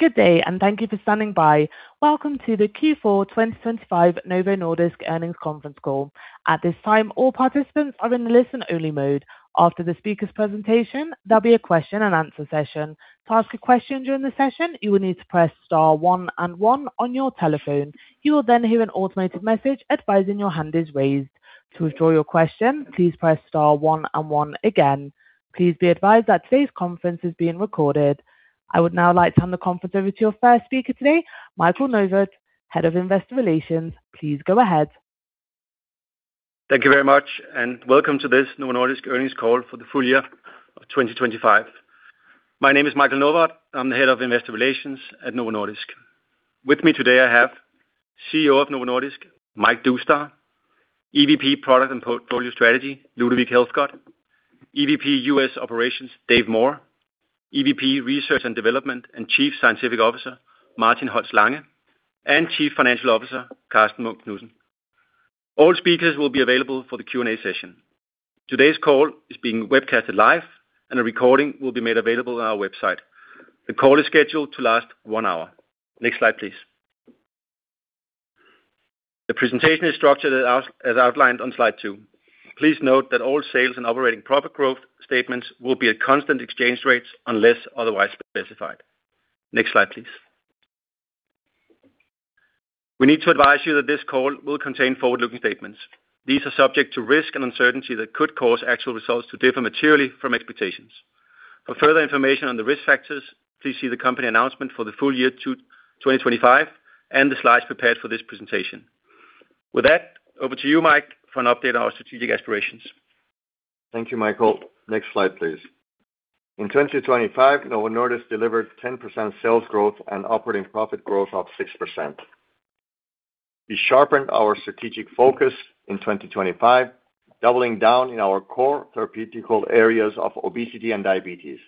Good day, and thank you for standing by. Welcome to the Q4 2025 Novo Nordisk Earnings Conference Call. At this time, all participants are in listen-only mode. After the speaker's presentation, there'll be a question-and-answer session. To ask a question during the session, you will need to press star one and one on your telephone. You will then hear an automated message advising your hand is raised. To withdraw your question, please press star one and one again. Please be advised that today's conference is being recorded. I would now like to turn the conference over to your first speaker today, Michael Novod, Head of Investor Relations. Please go ahead. Thank you very much, and welcome to this Novo Nordisk earnings call for the full year of 2025. My name is Michael Novod. I'm the Head of Investor Relations at Novo Nordisk. With me today, I have CEO of Novo Nordisk, Maziar Doustdar; EVP, Product and Portfolio Strategy, Ludovic Helfgott; EVP, U.S. Operations, Dave Moore; EVP, Research and Development, and Chief Scientific Officer, Martin Holst Lange; and Chief Financial Officer, Karsten Munk Knudsen. All speakers will be available for the Q&A session. Today's call is being webcasted live, and a recording will be made available on our website. The call is scheduled to last one hour. Next slide, please. The presentation is structured as outlined on slide two. Please note that all sales and operating profit growth statements will be at constant exchange rates unless otherwise specified. Next slide, please. We need to advise you that this call will contain forward-looking statements. These are subject to risk and uncertainty that could cause actual results to differ materially from expectations. For further information on the risk factors, please see the company announcement for the full year 2024 and the slides prepared for this presentation. With that, over to you, Mike, for an update on our strategic aspirations. Thank you, Michael. Next slide, please. In 2025, Novo Nordisk delivered 10% sales growth and operating profit growth of 6%. We sharpened our strategic focus in 2025, doubling down in our core therapeutic areas of obesity and diabetes.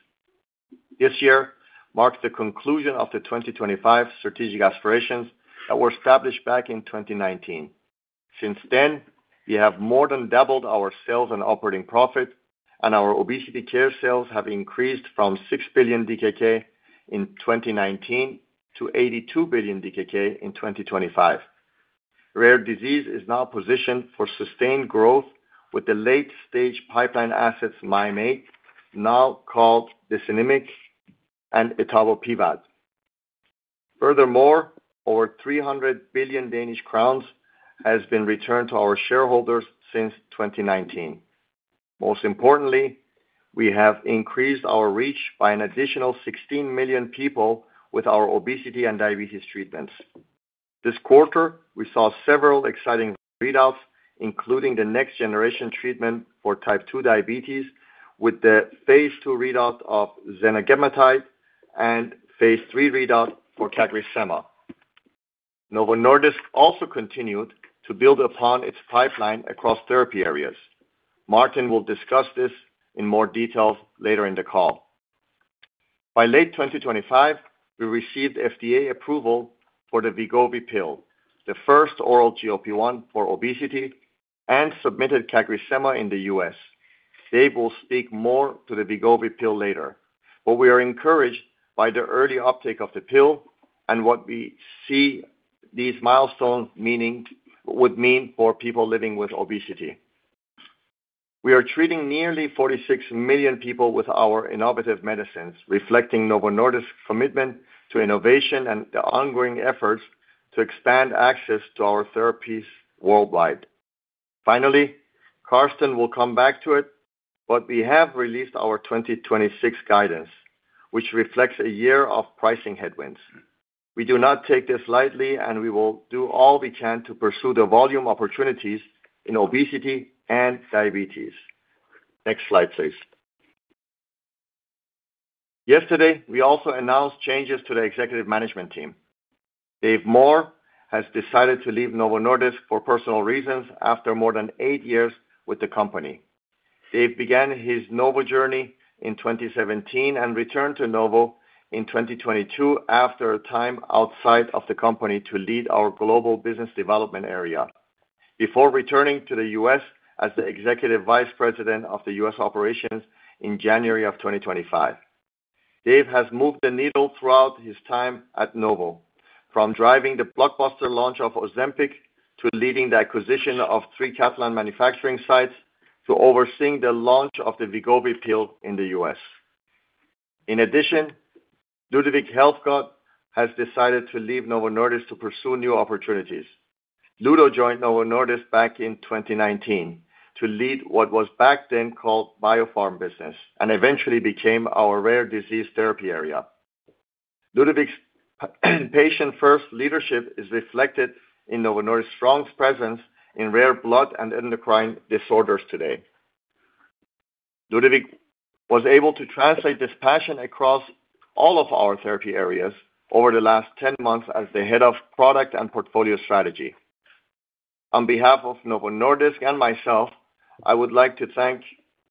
This year marks the conclusion of the 2025 strategic aspirations that were established back in 2019. Since then, we have more than doubled our sales and operating profit, and our obesity care sales have increased from 6 billion DKK in 2019 to 82 billion DKK in 2025. Rare disease is now positioned for sustained growth with the late-stage pipeline assets Mim8, now called denecimig, and Etavopivat. Furthermore, over 300 billion Danish crowns has been returned to our shareholders since 2019. Most importantly, we have increased our reach by an additional 16 million people with our obesity and diabetes treatments. This quarter, we saw several exciting readouts, including the next-generation treatment for type 2 diabetes, with the phase II readout of senagametide and phase III readout for CagriSema. Novo Nordisk also continued to build upon its pipeline across therapy areas. Martin will discuss this in more details later in the call. By late 2025, we received FDA approval for the Wegovy pill, the first oral GLP-1 for obesity, and submitted CagriSema in the U.S. Dave will speak more to the Wegovy pill later, but we are encouraged by the early uptake of the pill and what we see these milestones would mean for people living with obesity. We are treating nearly 46 million people with our innovative medicines, reflecting Novo Nordisk's commitment to innovation and the ongoing efforts to expand access to our therapies worldwide. Finally, Karsten will come back to it, but we have released our 2026 guidance, which reflects a year of pricing headwinds. We do not take this lightly, and we will do all we can to pursue the volume opportunities in obesity and diabetes. Next slide, please. Yesterday, we also announced changes to the executive management team. Dave Moore has decided to leave Novo Nordisk for personal reasons after more than eight years with the company. Dave began his Novo journey in 2017 and returned to Novo in 2022 after a time outside of the company to lead our global business development area, before returning to the U.S. as the Executive Vice President of the U.S. Operations in January of 2025. Dave has moved the needle throughout his time at Novo, from driving the blockbuster launch of Ozempic to leading the acquisition of 3 Catalent manufacturing sites to overseeing the launch of the Wegovy pill in the U.S.. In addition, Ludovic Helfgott has decided to leave Novo Nordisk to pursue new opportunities. Ludo joined Novo Nordisk back in 2019 to lead what was back then called biopharm business and eventually became our rare disease therapy area. Ludovic's patient-first leadership is reflected in Novo Nordisk's strong presence in rare blood and endocrine disorders today. Ludovic was able to translate this passion across all of our therapy areas over the last 10 months as the Head of Product and Portfolio Strategy. On behalf of Novo Nordisk and myself, I would like to thank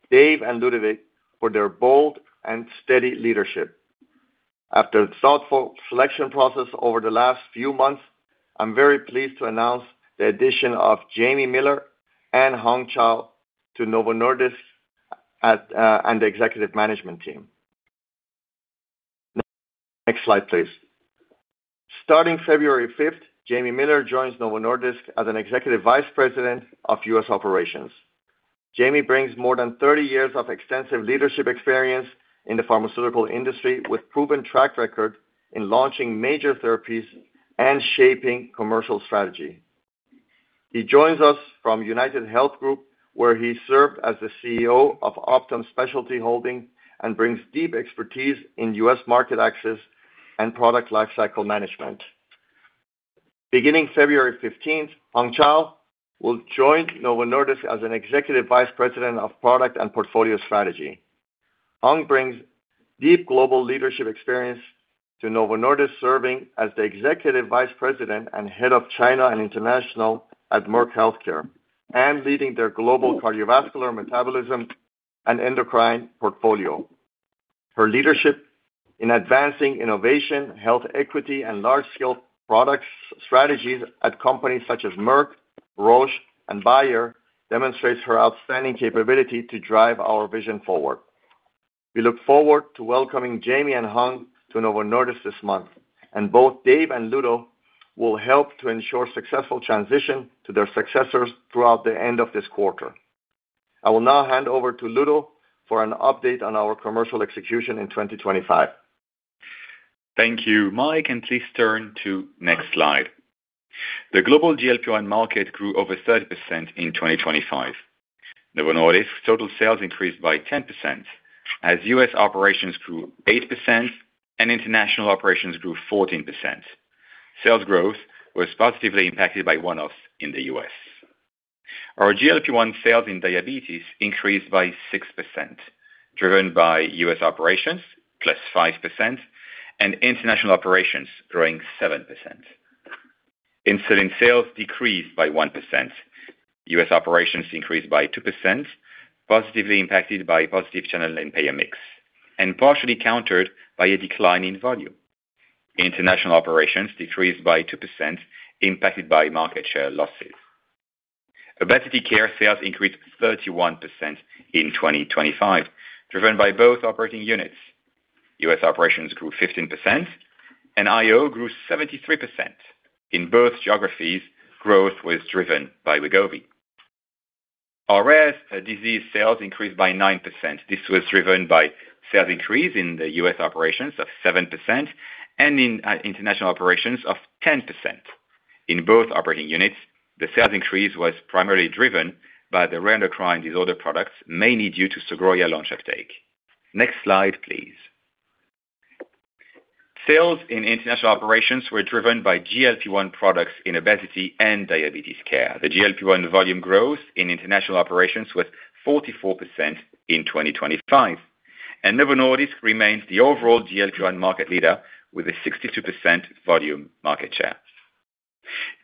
Dave and Ludovic for their bold and steady leadership. After a thoughtful selection process over the last few months, I'm very pleased to announce the addition of Jamie Miller and Hong Chow to Novo Nordisk and the executive management team. Next slide, please. Starting February fifth, Jamie Miller joins Novo Nordisk as an Executive Vice President of U.S. Operations. Jamie brings more than 30 years of extensive leadership experience in the pharmaceutical industry, with proven track record in launching major therapies and shaping commercial strategy. He joins us from UnitedHealth Group, where he served as the CEO of Optum Specialty Holdings, and brings deep expertise in U.S. market access and product lifecycle management. Beginning February fifteenth, Hong Chow will join Novo Nordisk as an Executive Vice President of Product and Portfolio Strategy. Hong brings deep global leadership experience to Novo Nordisk, serving as the Executive Vice President and Head of China and International at Merck Healthcare, and leading their global cardiovascular, metabolism, and endocrine portfolio. Her leadership in advancing innovation, health equity, and large-scale products strategies at companies such as Merck, Roche, and Bayer, demonstrates her outstanding capability to drive our vision forward. We look forward to welcoming Jamie and Hong to Novo Nordisk this month, and both Dave and Ludo will help to ensure successful transition to their successors throughout the end of this quarter. I will now hand over to Ludo for an update on our commercial execution in 2025. Thank you, Mike, and please turn to next slide. The global GLP-1 market grew over 30% in 2025. Novo Nordisk's total sales increased by 10%, as U.S. operations grew 8% and international operations grew 14%. Sales growth was positively impacted by one-offs in the U.S. Our GLP-1 sales in diabetes increased by 6%, driven by U.S. operations +5%, and international operations growing 7%. Insulin sales decreased by 1%. U.S. operations increased by 2%, positively impacted by positive channel and payer mix, and partially countered by a decline in volume. International operations decreased by 2%, impacted by market share losses. Obesity care sales increased 31% in 2025, driven by both operating units. U.S. operations grew 15%, and IO grew 73%. In both geographies, growth was driven by Wegovy. Rare disease sales increased by 9%. This was driven by sales increase in the U.S. operations of 7% and in international operations of 10%. In both operating units, the sales increase was primarily driven by the rare endocrine disorder products, mainly due to Sogroya launch uptake. Next slide, please. Sales in international operations were driven by GLP-1 products in obesity and diabetes care. The GLP-1 volume growth in international operations was 44% in 2025, and Novo Nordisk remains the overall GLP-1 market leader with a 62% volume market share.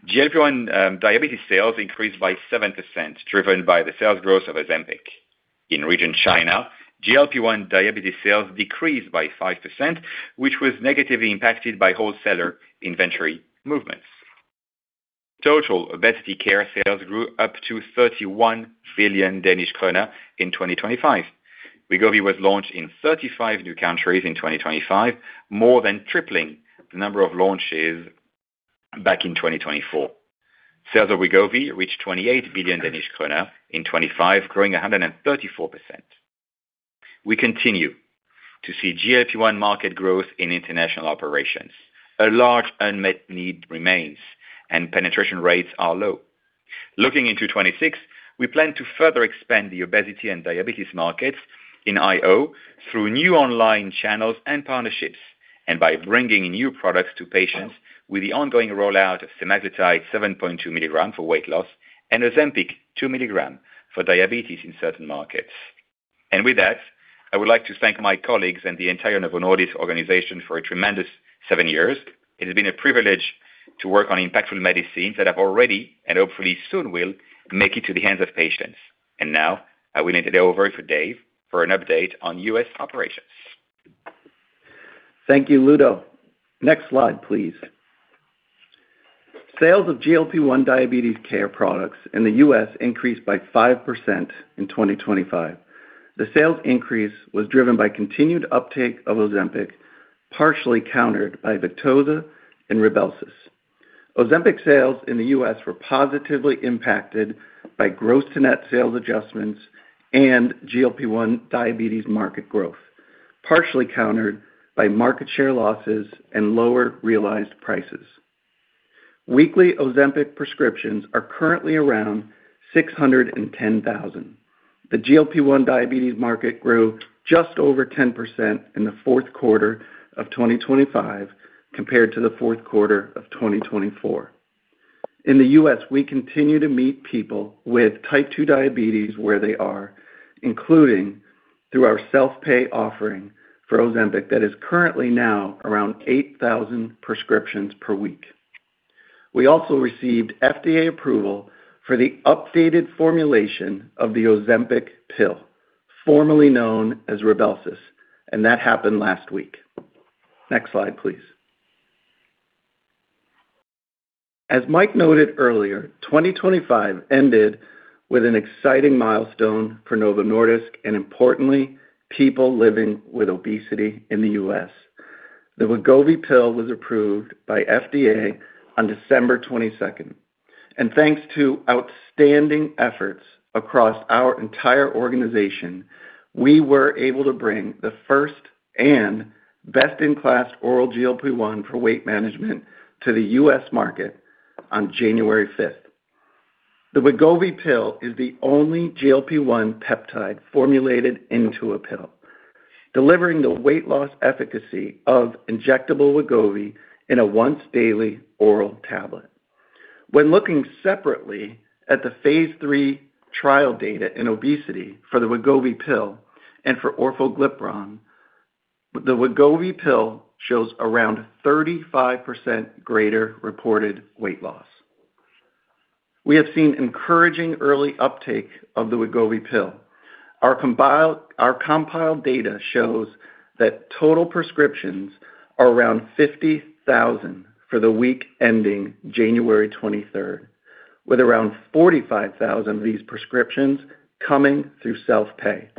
GLP-1 diabetes sales increased by 7%, driven by the sales growth of Ozempic. In region China, GLP-1 diabetes sales decreased by 5%, which was negatively impacted by wholesaler inventory movements. Total obesity care sales grew up to 31 billion Danish kroner in 2025. Wegovy was launched in 35 new countries in 2025, more than tripling the number of launches back in 2024. Sales of Wegovy reached 28 billion Danish kroner in 2025, growing 134%. We continue to see GLP-1 market growth in international operations. A large unmet need remains, and penetration rates are low. Looking into 2026, we plan to further expand the obesity and diabetes markets in IO through new online channels and partnerships, and by bringing new products to patients with the ongoing rollout of semaglutide 7.2 mg for weight loss and Ozempic 2 mg for diabetes in certain markets. And with that, I would like to thank my colleagues and the entire Novo Nordisk organization for a tremendous seven years. It has been a privilege to work on impactful medicines that have already, and hopefully soon will, make it to the hands of patients. And now I will hand it over to Dave for an update on U.S. operations. Thank you, Ludo. Next slide, please. Sales of GLP-1 diabetes care products in the U.S. increased by 5% in 2025. The sales increase was driven by continued uptake of Ozempic, partially countered by Victoza and Rybelsus. Ozempic sales in the U.S. were positively impacted by gross-to-net sales adjustments and GLP-1 diabetes market growth, partially countered by market share losses and lower realized prices. Weekly Ozempic prescriptions are currently around 610,000. The GLP-1 diabetes market grew just over 10% in the fourth quarter of 2025 compared to the fourth quarter of 2024. In the U.S., we continue to meet people with type two diabetes where they are, including through our self-pay offering for Ozempic, that is currently now around 8,000 prescriptions per week. We also received FDA approval for the updated formulation of the Ozempic pill, formerly known as Rybelsus, and that happened last week. Next slide, please. As Mike noted earlier, 2025 ended with an exciting milestone for Novo Nordisk, and importantly, people living with obesity in the U.S.. The Wegovy pill was approved by FDA on December 22, and thanks to outstanding efforts across our entire organization, we were able to bring the first and best-in-class oral GLP-1 for weight management to the U.S. market on January 5. The Wegovy pill is the only GLP-1 peptide formulated into a pill, delivering the weight loss efficacy of injectable Wegovy in a once-daily oral tablet. When looking separately at the phase III trial data in obesity for the Wegovy pill and for orforglipron, the Wegovy pill shows around 35% greater reported weight loss. We have seen encouraging early uptake of the Wegovy pill. Our compiled data shows that total prescriptions are around 50,000 for the week ending January 23rd, with around 45,000 of these prescriptions coming through self-pay.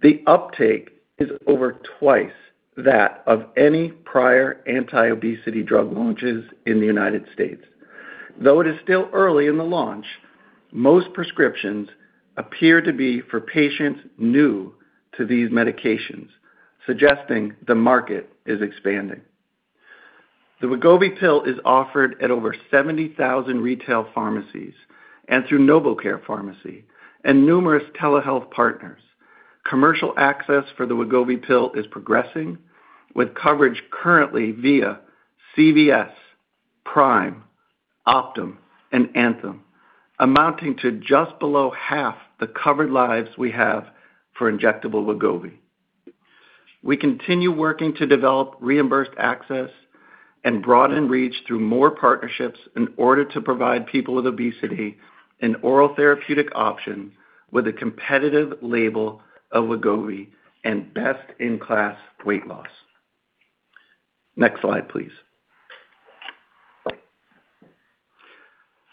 The uptake is over twice that of any prior anti-obesity drug launches in the United States. Though it is still early in the launch, most prescriptions appear to be for patients new to these medications, suggesting the market is expanding. The Wegovy pill is offered at over 70,000 retail pharmacies and through NovoCare Pharmacy and numerous telehealth partners. Commercial access for the Wegovy pill is progressing, with coverage currently via CVS, Prime, Optum, and Anthem, amounting to just below half the covered lives we have for injectable Wegovy. We continue working to develop reimbursed access and broaden reach through more partnerships in order to provide people with obesity an oral therapeutic option with a competitive label of Wegovy and best-in-class weight loss. Next slide, please.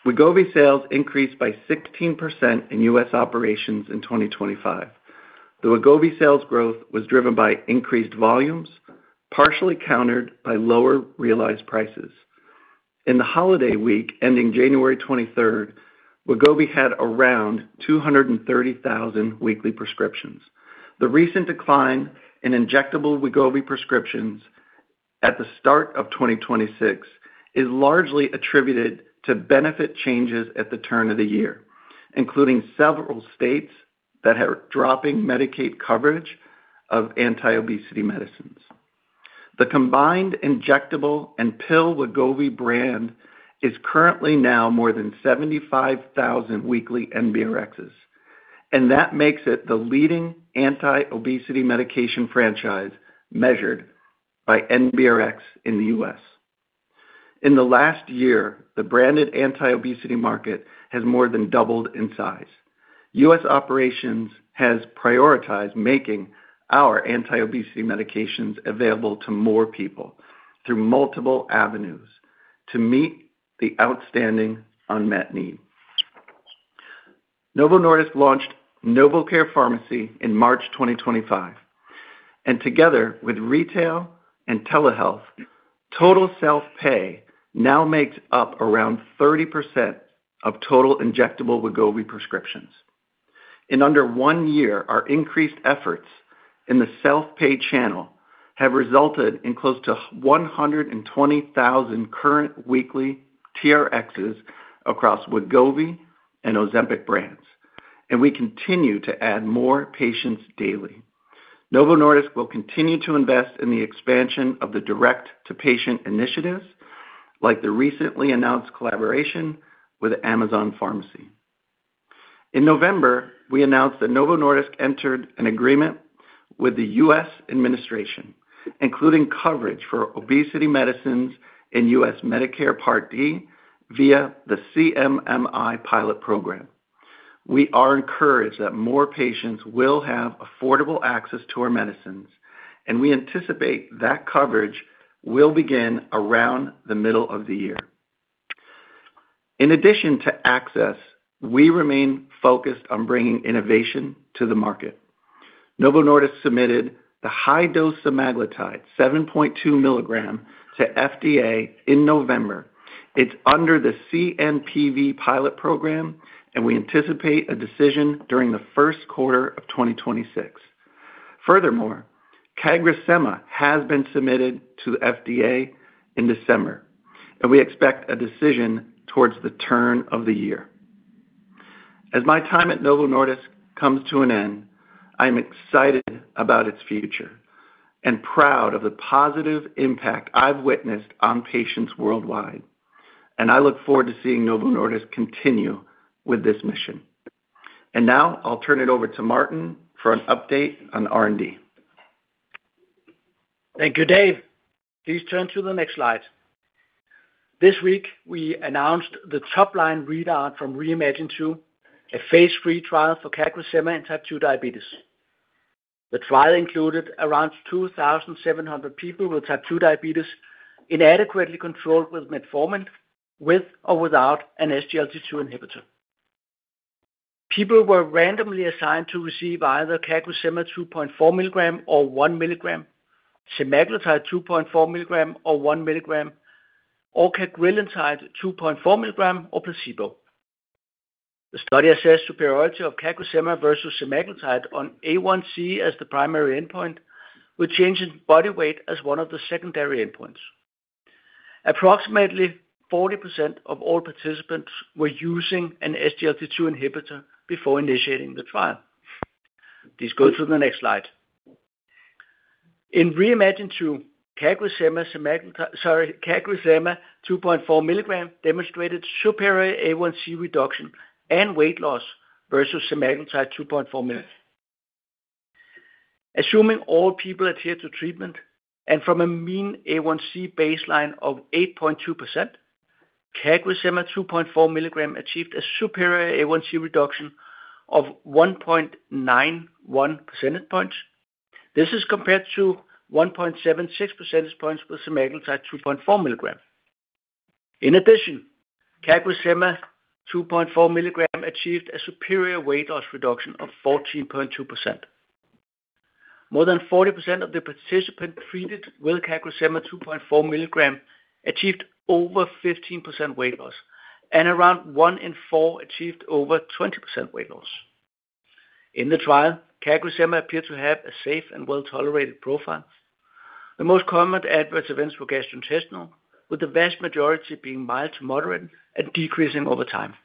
Wegovy sales increased by 16% in U.S. operations in 2025. The Wegovy sales growth was driven by increased volumes, partially countered by lower realized prices. In the holiday week, ending January 23, Wegovy had around 230,000 weekly prescriptions. The recent decline in injectable Wegovy prescriptions at the start of 2026 is largely attributed to benefit changes at the turn of the year, including several states that are dropping Medicaid coverage of anti-obesity medicines. The combined injectable and pill Wegovy brand is currently now more than 75,000 weekly NBRXs, and that makes it the leading anti-obesity medication franchise measured by NBRX in the U.S. In the last year, the branded anti-obesity market has more than doubled in size. U.S. operations has prioritized making our anti-obesity medications available to more people through multiple avenues to meet the outstanding unmet need. Novo Nordisk launched NovoCare Pharmacy in March 2025, and together with retail and telehealth, total self-pay now makes up around 30% of total injectable Wegovy prescriptions. In under one year, our increased efforts in the self-pay channel have resulted in close to 120,000 current weekly TRXs across Wegovy and Ozempic brands, and we continue to add more patients daily. Novo Nordisk will continue to invest in the expansion of the direct-to-patient initiatives, like the recently announced collaboration with Amazon Pharmacy. In November, we announced that Novo Nordisk entered an agreement with the U.S. administration, including coverage for obesity medicines in U.S. Medicare Part D via the CMMI pilot program. We are encouraged that more patients will have affordable access to our medicines, and we anticipate that coverage will begin around the middle of the year. In addition to access, we remain focused on bringing innovation to the market. Novo Nordisk submitted the high-dose semaglutide, 7.2 mg, to FDA in November. It's under the CMPV pilot program, and we anticipate a decision during the first quarter of 2026. Furthermore, CagriSema has been submitted to the FDA in December, and we expect a decision towards the turn of the year. As my time at Novo Nordisk comes to an end, I'm excited about its future and proud of the positive impact I've witnessed on patients worldwide, and I look forward to seeing Novo Nordisk continue with this mission. Now I'll turn it over to Martin for an update on R&D. Thank you, Dave. Please turn to the next slide. This week, we announced the top-line readout from REIMAGINE 2, a phase III trial for CagriSema and type 2 diabetes. ... The trial included around 2,700 people with type 2 diabetes, inadequately controlled with metformin, with or without an SGLT2 inhibitor. People were randomly assigned to receive either CagriSema 2.4 mg or 1 mg, semaglutide 2.4 mg or 1 mg, or cagrilintide 2.4 mg or placebo. The study assessed superiority of CagriSema versus semaglutide on A1c as the primary endpoint, with change in body weight as one of the secondary endpoints. Approximately 40% of all participants were using an SGLT2 inhibitor before initiating the trial. Please go to the next slide. In REIMAGINE 2, CagriSema 2.4 mg demonstrated superior A1c reduction and weight loss versus semaglutide 2.4 mg. Assuming all people adhere to treatment, and from a mean A1c baseline of 8.2%, CagriSema 2.4 mg achieved a superior A1c reduction of 1.91 percentage points. This is compared to 1.76 percentage points with semaglutide 2.4 mg. In addition, CagriSema 2.4 mg achieved a superior weight loss reduction of 14.2%. More than 40% of the participants treated with CagriSema 2.4 mg achieved over 15% weight loss, and around one in four achieved over 20% weight loss. In the trial, CagriSema appeared to have a safe and well-tolerated profile. The most common adverse events were gastrointestinal, with the vast majority being mild to moderate and decreasing over time.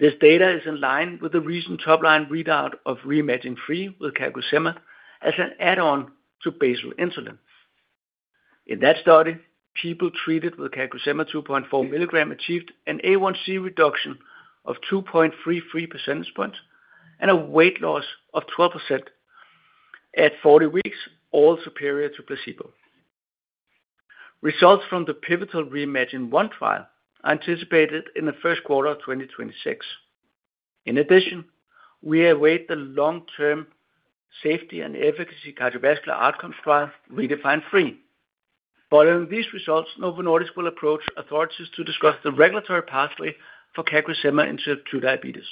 This data is in line with the recent top-line readout of REIMAGINE 3 with CagriSema as an add-on to basal insulin. In that study, people treated with CagriSema 2.4 mg achieved an A1c reduction of 2.33 percentage points and a weight loss of 12% at 40 weeks, all superior to placebo. Results from the pivotal REIMAGINE 1 trial are anticipated in the first quarter of 2026. In addition, we await the long-term safety and efficacy cardiovascular outcomes trial, REDEFINE 3. Following these results, Novo Nordisk will approach authorities to discuss the regulatory pathway for CagriSema in type 2 diabetes.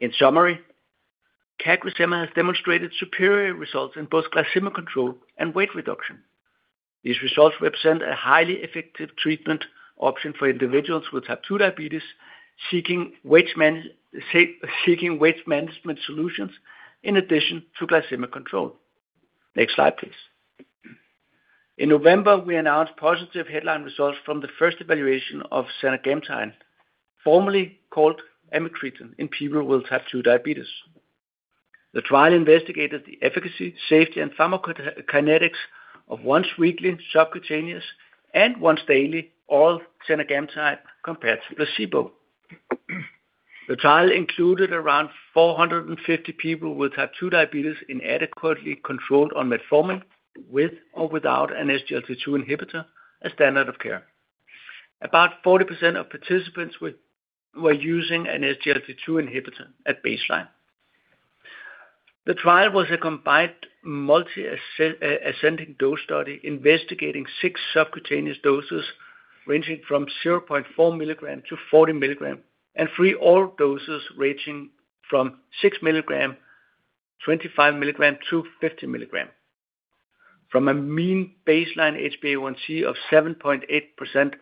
In summary, CagriSema has demonstrated superior results in both glycemic control and weight reduction. These results represent a highly effective treatment option for individuals with type 2 diabetes, seeking weight management solutions in addition to glycemic control. Next slide, please. In November, we announced positive headline results from the first evaluation of senagametide, formerly called amycretin, in people with type 2 diabetes. The trial investigated the efficacy, safety, and pharmacokinetics of once-weekly subcutaneous and once-daily oral senagametide compared to placebo. The trial included around 450 people with type 2 diabetes, inadequately controlled on metformin, with or without an SGLT2 inhibitor, a standard of care. About 40% of participants were using an SGLT2 inhibitor at baseline. The trial was a combined multi-ascending dose study, investigating six subcutaneous doses ranging from 0.4 mg to 40 mg, and three oral doses ranging from 6 mg, 25 mg to 50 mg. From a mean baseline HbA1c of 7.8%,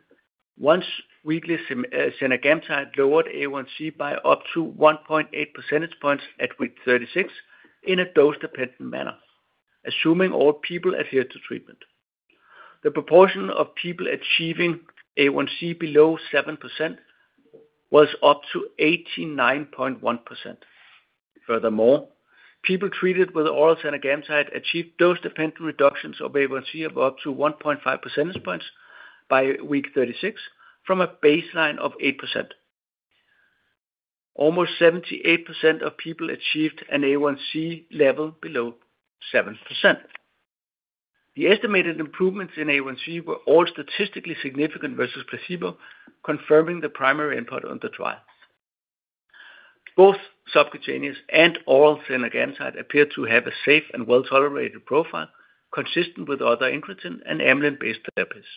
once-weekly senagametide lowered A1c by up to 1.8 percentage points at week 36 in a dose-dependent manner, assuming all people adhere to treatment. The proportion of people achieving A1c below 7% was up to 89.1%. Furthermore, people treated with oral senagametide achieved dose-dependent reductions of A1c of up to 1.5 percentage points by week 36 from a baseline of 8%. Almost 78% of people achieved an A1c level below 7%. The estimated improvements in A1c were all statistically significant versus placebo, confirming the primary endpoint on the trial. Both subcutaneous and oral senagametide appear to have a safe and well-tolerated profile, consistent with other incretin and amylin-based therapies.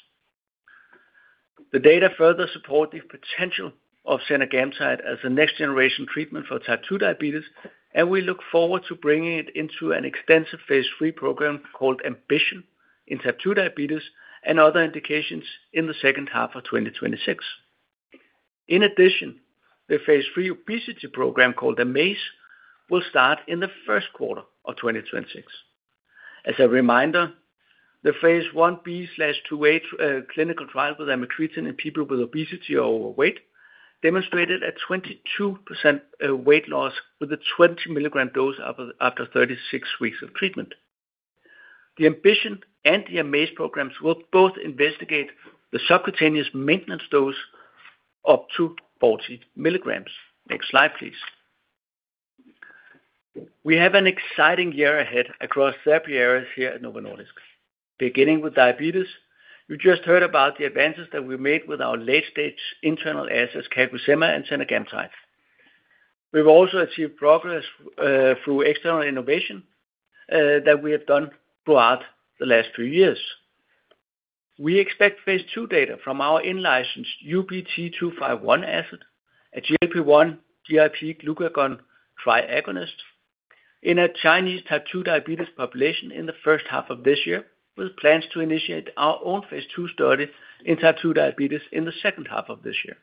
The data further support the potential of senagametide as a next-generation treatment for type 2 diabetes, and we look forward to bringing it into an extensive phase III program called AMBITION in type 2 diabetes and other indications in the second half of 2026. In addition, the phase III obesity program, called AMAZE, will start in the first quarter of 2026. As a reminder, the phase Ib/IIa clinical trial with amycretin in people with obesity or overweight demonstrated a 22% weight loss with a 20 mg dose after 36 weeks of treatment. The AMBITION and the AMAZE programs will both investigate the subcutaneous maintenance dose up to 40 mg. Next slide, please. We have an exciting year ahead across therapy areas here at Novo Nordisk.... Beginning with diabetes, you just heard about the advances that we made with our late-stage internal assets, CagriSema and senagametide. We've also achieved progress through external innovation that we have done throughout the last three years. We expect phase II data from our in-licensed UBT251 asset, a GLP-1/GIP/glucagon triple agonist in a Chinese type 2 diabetes population in the first half of this year, with plans to initiate our own phase II study in type 2 diabetes in the second half of this year.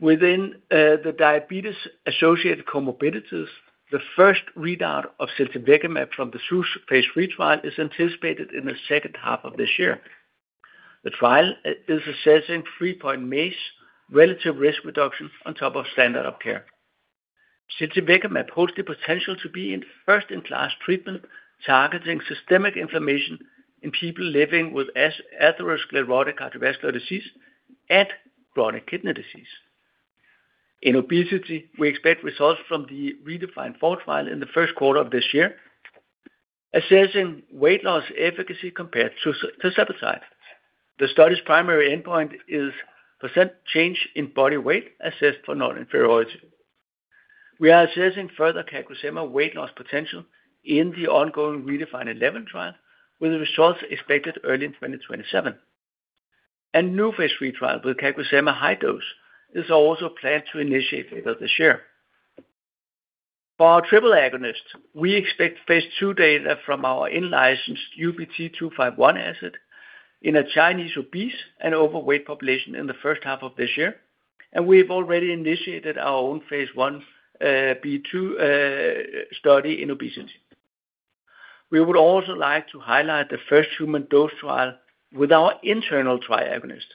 Within the diabetes-associated comorbidities, the first readout of zsiltivekimab from the phase III trial is anticipated in the second half of this year. The trial is assessing 3-point MACE relative risk reduction on top of standard of care. Ziltivekimab holds the potential to be a first-in-class treatment, targeting systemic inflammation in people living with atherosclerotic cardiovascular disease and chronic kidney disease. In obesity, we expect results from the REDEFINE 4 trial in the first quarter of this year, assessing weight loss efficacy compared to setmelanotide. The study's primary endpoint is percent change in body weight assessed for non-inferiority. We are assessing further CagriSema weight loss potential in the ongoing REDEFINE 11 trial, with the results expected early in 2027. A new phase III trial with CagriSema high dose is also planned to initiate later this year. For our triple agonist, we expect phase II data from our in-licensed UBT251 asset in a Chinese obese and overweight population in the first half of this year, and we have already initiated our own phase Ib study in obesity. We would also like to highlight the first human dose trial with our internal triagonist,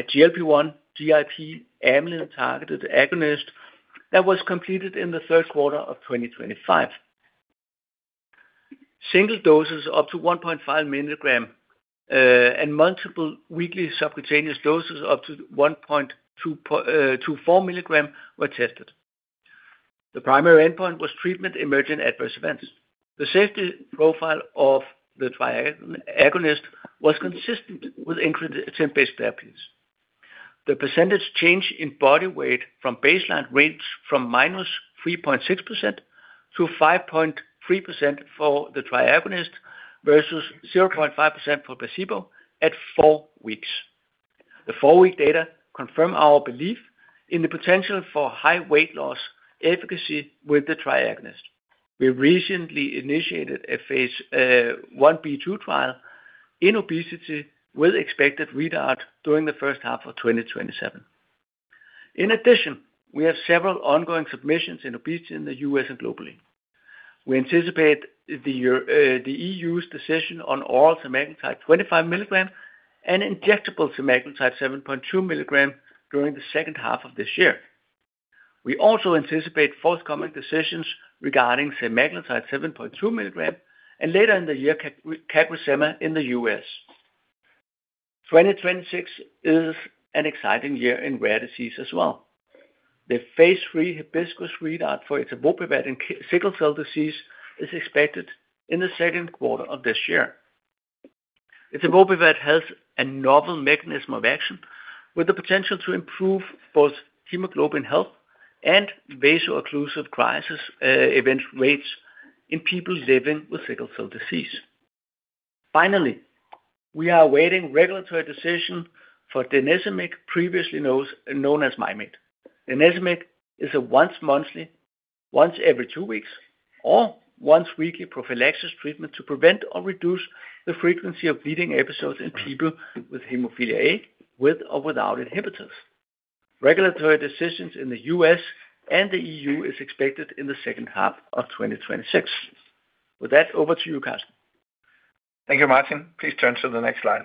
a GLP-1/GIP/amylin-targeted agonist that was completed in the third quarter of 2025. Single doses up to 1.5 mg and multiple weekly subcutaneous doses up to 1.2 mg-2.4 mg were tested. The primary endpoint was treatment emergent adverse events. The safety profile of the triagonist was consistent with GLP-1-based therapies. The percentage change in body weight from baseline ranged from -3.6% to 5.3% for the triagonist versus 0.5% for placebo at 4 weeks. The 4-week data confirm our belief in the potential for high weight loss efficacy with the triagonist. We recently initiated a phase Ib/II trial in obesity, with expected readout during the first half of 2027. In addition, we have several ongoing submissions in obesity in the U.S. and globally. We anticipate the EU's decision on oral semaglutide 25 mg and injectable semaglutide 7.2 mg during the second half of this year. We also anticipate forthcoming decisions regarding semaglutide 7.2 mg, and later in the year, CagriSema in the U.S.. 2026 is an exciting year in rare disease as well. The phase III HIBISCUS readout for eztavopivat in sickle cell disease is expected in the second quarter of this year. Etavopivat has a novel mechanism of action, with the potential to improve both hemoglobin health and vaso-occlusive crisis event rates in people living with sickle cell disease. Finally, we are awaiting regulatory decision for Denecimig, previously known as Mim8. Denecimig is a once monthly, once every two weeks, or once weekly prophylaxis treatment to prevent or reduce the frequency of bleeding episodes in people with hemophilia A, with or without inhibitors. Regulatory decisions in the U.S. and the EU are expected in the second half of 2026. With that, over to you, Karsten. Thank you, Martin. Please turn to the next slide.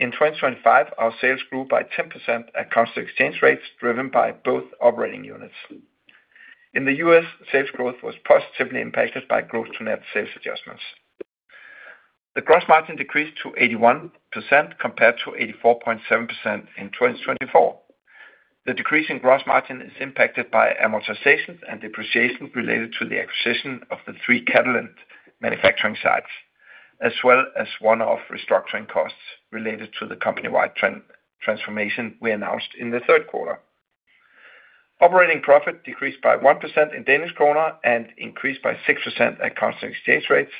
In 2025, our sales grew by 10% at constant exchange rates, driven by both operating units. In the U.S., sales growth was positively impacted by gross-to-net sales adjustments. The gross margin decreased to 81% compared to 84.7% in 2024. The decrease in gross margin is impacted by amortizations and depreciation related to the acquisition of the three Catalent manufacturing sites, as well as one-off restructuring costs related to the company-wide transformation we announced in the third quarter. Operating profit decreased by 1% in DKK and increased by 6% at constant exchange rates,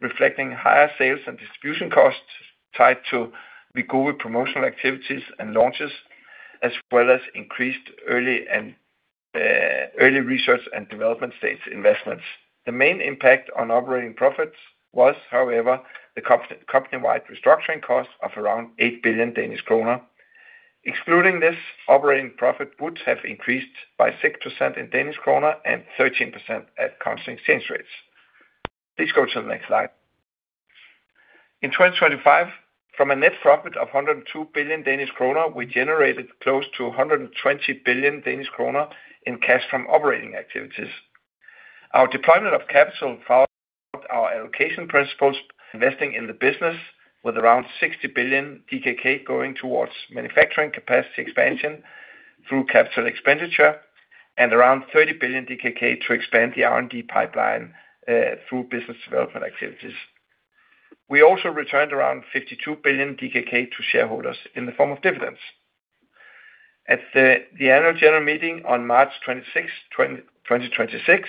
reflecting higher sales and distribution costs tied to Wegovy promotional activities and launches, as well as increased early and early research and development stage investments. The main impact on operating profits was, however, the company-wide restructuring costs of around 8 billion Danish kroner. Excluding this, operating profit would have increased by 6% in Danish kroner and 13% at constant exchange rates. Please go to the next slide. In 2025, from a net profit of 102 billion Danish kroner, we generated close to 120 billion Danish kroner in cash from operating activities. Our deployment of capital followed our allocation principles, investing in the business with around 60 billion DKK going towards manufacturing capacity expansion through capital expenditure and around 30 billion DKK to expand the R&D pipeline through business development activities. We also returned around 52 billion DKK to shareholders in the form of dividends. At the annual general meeting on March 26, 2026,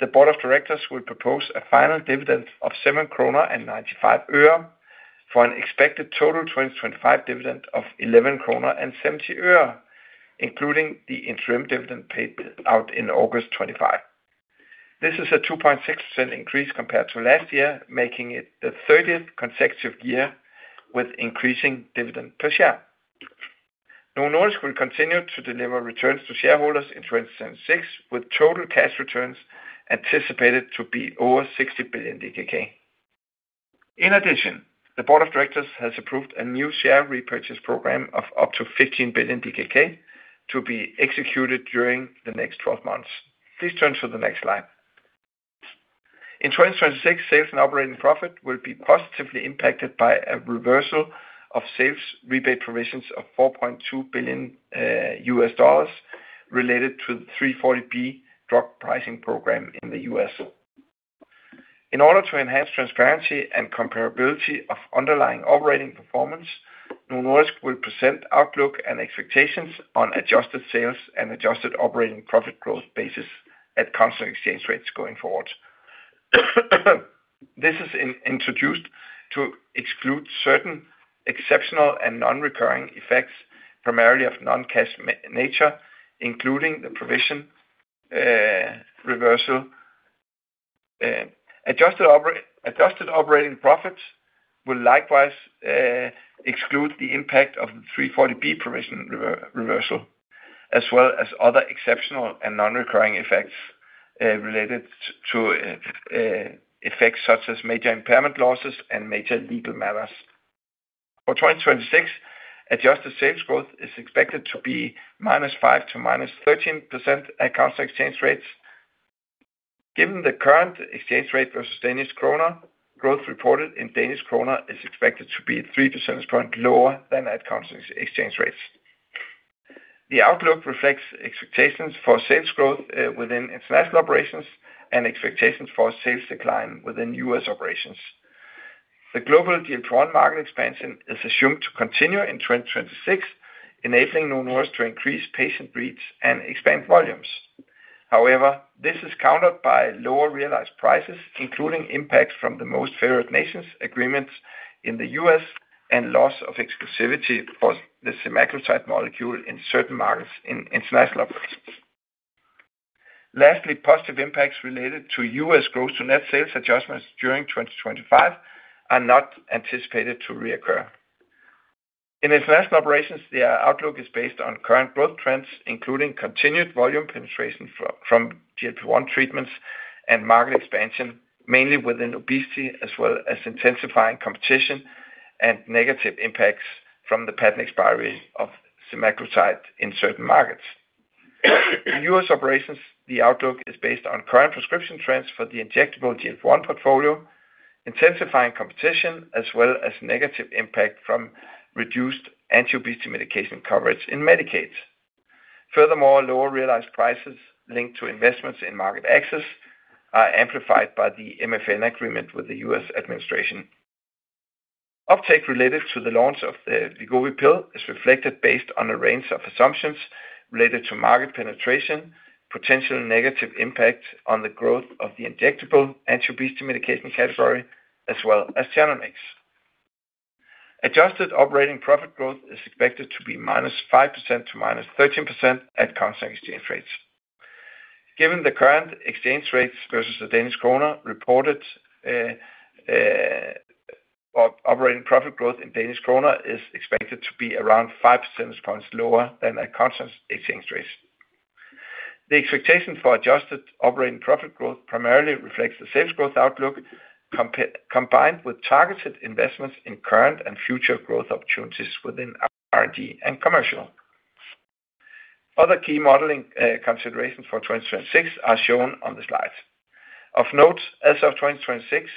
the board of directors will propose a final dividend of DKK 7.95, for an expected total 2025 dividend of DKK 11.70, including the interim dividend paid out in August 2025. This is a 2.6% increase compared to last year, making it the thirtieth consecutive year with increasing dividend per share. Novo Nordisk will continue to deliver returns to shareholders in 2026, with total cash returns anticipated to be over 60 billion DKK. In addition, the board of directors has approved a new share repurchase program of up to 15 billion to be executed during the next twelve months. Please turn to the next slide. In 2026, sales and operating profit will be positively impacted by a reversal of sales rebate provisions of $4.2 billion, related to the 340B drug pricing program in the U.S.. In order to enhance transparency and comparability of underlying operating performance, Novo Nordisk will present outlook and expectations on adjusted sales and adjusted operating profit growth basis at constant exchange rates going forward. This is introduced to exclude certain exceptional and non-recurring effects, primarily of non-cash nature, including the provision, reversal. Adjusted operating profits will likewise exclude the impact of the 340B provision reversal, as well as other exceptional and non-recurring effects, related to effects such as major impairment losses and major legal matters. For 2026, adjusted sales growth is expected to be -5% to -13% at constant exchange rates. Given the current exchange rate versus Danish kroner, growth reported in Danish kroner is expected to be 3 percentage points lower than at constant exchange rates. The outlook reflects expectations for sales growth within international operations and expectations for sales decline within U.S. operations. The global GLP-1 market expansion is assumed to continue in 2026, enabling Novo Nordisk to increase patient reach and expand volumes. However, this is countered by lower realized prices, including impacts from the most favored nations agreements in the U.S. and loss of exclusivity for the semaglutide molecule in certain markets in international operations. Lastly, positive impacts related to U.S. gross to net sales adjustments during 2025 are not anticipated to reoccur. In international operations, the outlook is based on current growth trends, including continued volume penetration from GLP-1 treatments and market expansion, mainly within obesity, as well as intensifying competition and negative impacts from the patent expiry of semaglutide in certain markets. In U.S. operations, the outlook is based on current prescription trends for the injectable GLP-1 portfolio, intensifying competition, as well as negative impact from reduced anti-obesity medication coverage in Medicaid. Furthermore, lower realized prices linked to investments in market access are amplified by the MFN agreement with the U.S. administration. Uptake related to the launch of the Wegovy pill is reflected based on a range of assumptions related to market penetration, potential negative impact on the growth of the injectable anti-obesity medication category, as well as tirzepatide. Adjusted operating profit growth is expected to be -5% to -13% at constant exchange rates. Given the current exchange rates versus the Danish kroner, reported operating profit growth in Danish kroner is expected to be around 5 percentage points lower than at constant exchange rates. The expectation for adjusted operating profit growth primarily reflects the sales growth outlook, combined with targeted investments in current and future growth opportunities within R&D and commercial. Other key modeling considerations for 2026 are shown on the slides. Of note, as of 2026,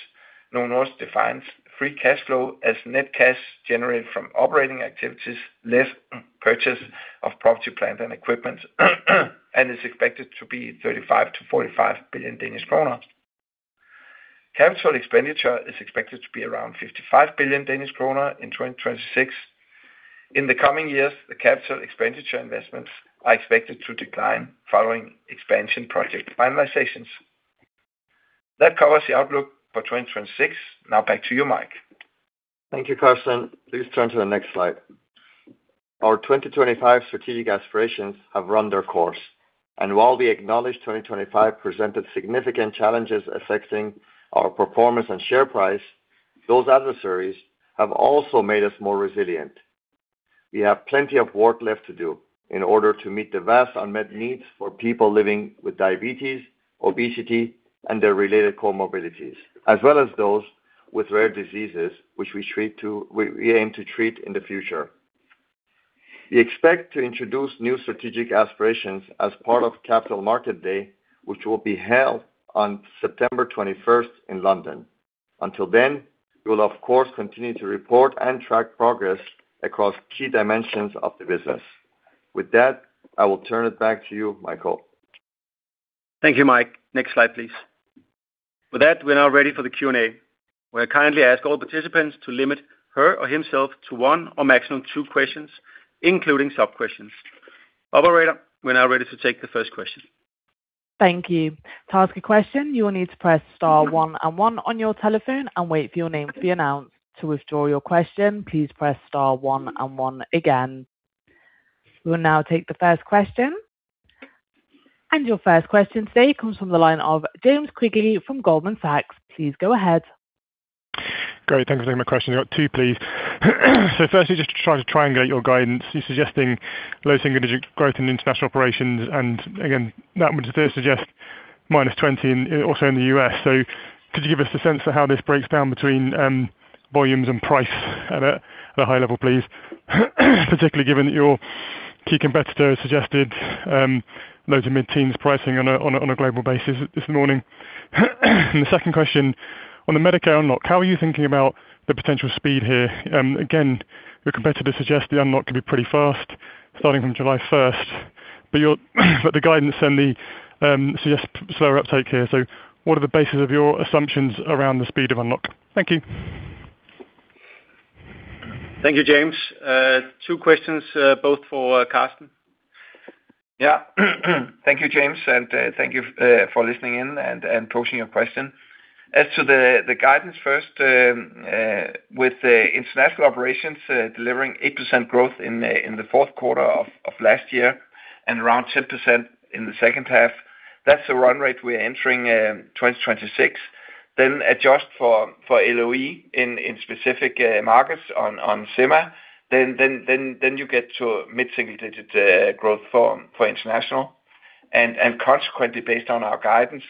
Novo Nordisk defines free cash flow as net cash generated from operating activities, less purchase of property, plant and equipment, and is expected to be 35 billion-45 billion Danish kroner. Capital expenditure is expected to be around 55 billion Danish kroner in 2026. In the coming years, the capital expenditure investments are expected to decline following expansion project finalizations. That covers the outlook for 2026. Now back to you, Mike. Thank you, Carsten. Please turn to the next slide. Our 2025 strategic aspirations have run their course, and while we acknowledge 2025 presented significant challenges affecting our performance and share price, those adversaries have also made us more resilient. We have plenty of work left to do in order to meet the vast unmet needs for people living with diabetes, obesity, and their related comorbidities, as well as those with rare diseases, which we aim to treat in the future. We expect to introduce new strategic aspirations as part of Capital Markets Day, which will be held on September 21st in London.... Until then, we will of course, continue to report and track progress across key dimensions of the business. With that, I will turn it back to you, Michael. Thank you, Mike. Next slide, please. With that, we're now ready for the Q&A, where I kindly ask all participants to limit her or himself to one or maximum two questions, including sub-questions. Operator, we're now ready to take the first question. Thank you. To ask a question, you will need to press star one and one on your telephone and wait for your name to be announced. To withdraw your question, please press star one and one again. We will now take the first question. Your first question today comes from the line of James Quigley from Goldman Sachs. Please go ahead. Great, thank you for taking my question. I've got two, please. So firstly, just to try to triangulate your guidance, you're suggesting low single-digit growth in international operations, and again, that would still suggest -20, also in the U.S.. So could you give us a sense of how this breaks down between volumes and price at a high level, please? Particularly given that your key competitor suggested low-to-mid-teens pricing on a global basis this morning. And the second question: on the Medicare unlock, how are you thinking about the potential speed here? Again, your competitor suggests the unlock could be pretty fast, starting from July first. But your, but the guidance and the suggest slower uptake here. So what are the basis of your assumptions around the speed of unlock? Thank you. Thank you, James. Two questions, both for Karsten. Yeah. Thank you, James, and thank you for listening in and posing your question. As to the guidance first, with the international operations delivering 8% growth in the fourth quarter of last year and around 10% in the second half, that's the run rate we are entering in 2026. Then adjust for LOE in specific markets on Sema, then you get to mid-single digit growth for international. And consequently, based on our guidance,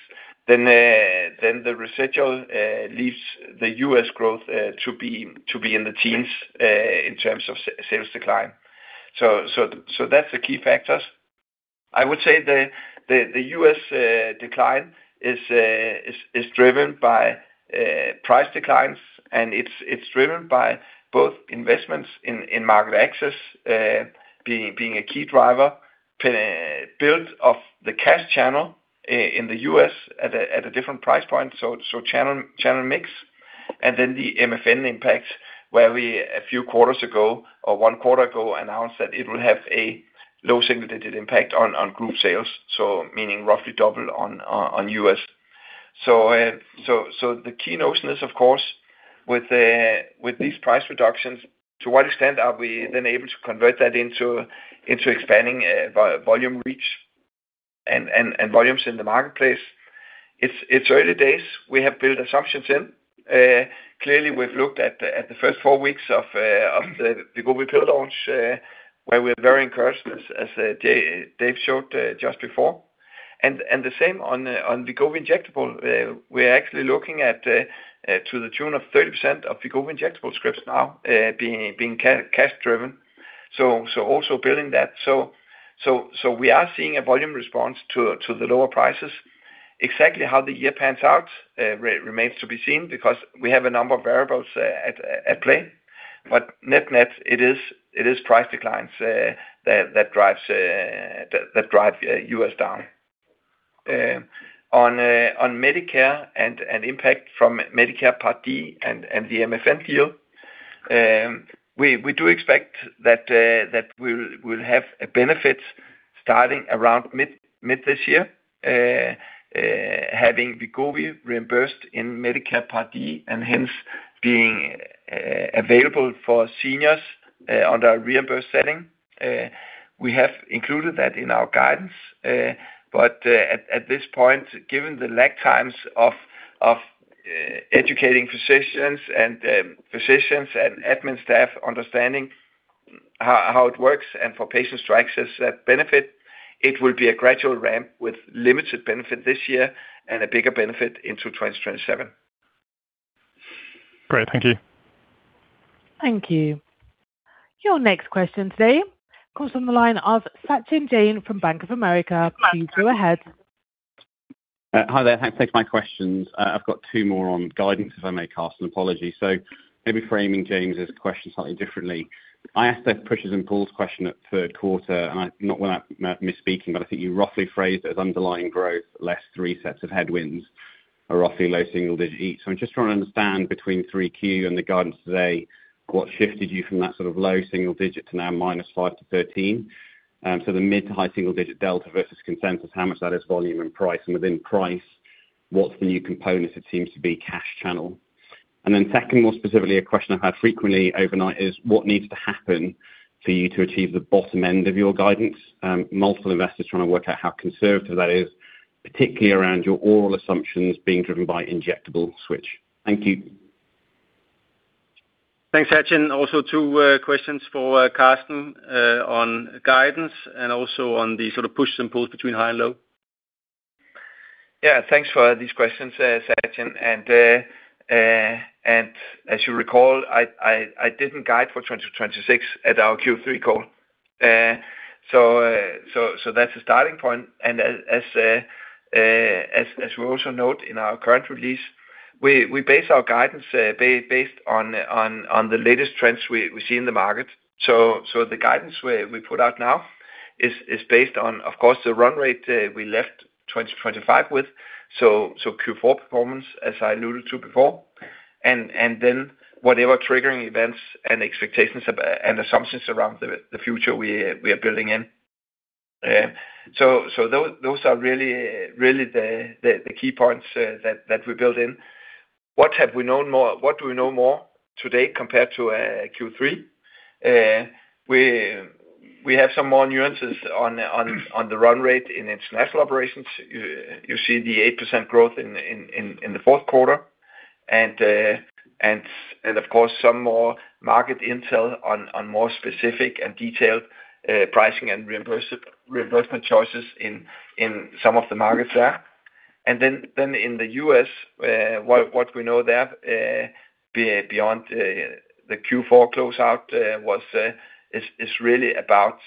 then the residual leaves the U.S. growth to be in the teens in terms of sales decline. So that's the key factors. I would say the U.S. decline is driven by price declines, and it's driven by both investments in market access, being a key driver, build of the cash channel in the U.S. at a different price point, so channel mix, and then the MFN impact, where we, a few quarters ago or one quarter ago, announced that it will have a low single-digit impact on group sales, so meaning roughly double on U.S. So the key notion is, of course, with these price reductions, to what extent are we then able to convert that into expanding volume reach and volumes in the marketplace? It's early days. We have built assumptions in. Clearly, we've looked at the first four weeks of the Wegovy pill launch, where we're very encouraged, as Dave showed just before. And the same on the Wegovy injectable. We're actually looking at to the tune of 30% of the Wegovy injectable scripts now being cash driven. So we are seeing a volume response to the lower prices. Exactly how the year pans out remains to be seen because we have a number of variables at play. But net-net, it is price declines that drive U.S. down. On Medicare and impact from Medicare Part D and the MFN deal, we do expect that we'll have a benefit starting around mid this year, having Wegovy reimbursed in Medicare Part D, and hence being available for seniors under a reimbursed setting. We have included that in our guidance, but at this point, given the lag times of educating physicians and admin staff understanding how it works and for patients to access that benefit, it will be a gradual ramp with limited benefit this year and a bigger benefit into 2027. Great. Thank you. Thank you. Your next question today comes from the line of Sachin Jain from Bank of America. Please go ahead. Hi there. Thanks for taking my questions. I've got two more on guidance, if I may ask, and apology. So maybe framing James's question slightly differently. I asked that pushes and pulls question at third quarter, and I... Not without misspeaking, but I think you roughly phrased it as underlying growth, less three sets of headwinds, or roughly low single digit each. So I'm just trying to understand between three Q and the guidance today, what shifted you from that sort of low single digit to now -5 to 13? So the mid to high single digit delta versus consensus, how much that is volume and price, and within price, what's the new component if it seems to be cash channel? And then second, more specifically, a question I've had frequently overnight is, what needs to happen for you to achieve the bottom end of your guidance? Multiple investors trying to work out how conservative that is, particularly around your oral assumptions being driven by injectable switch. Thank you. Thanks, Sachin. Also, two questions for Karsten on guidance and also on the sort of pushes and pulls between high and low. Yeah, thanks for these questions, Sachin. And as you recall, I didn't guide for 2026 at our Q3 call. So that's the starting point. And as we also note in our current release, we base our guidance based on the latest trends we see in the market. So the guidance we put out now is based on, of course, the run rate we left 2025 with, so Q4 performance, as I alluded to before, and then whatever triggering events and expectations and assumptions around the future we are building in. So those are really the key points that we built in. What do we know more today compared to Q3? We have some more nuances on the run rate in international operations. You see the 8% growth in the fourth quarter, and of course, some more market intel on more specific and detailed pricing and reimbursement choices in some of the markets there. And then in the U.S., what we know there beyond the Q4 closeout is really about,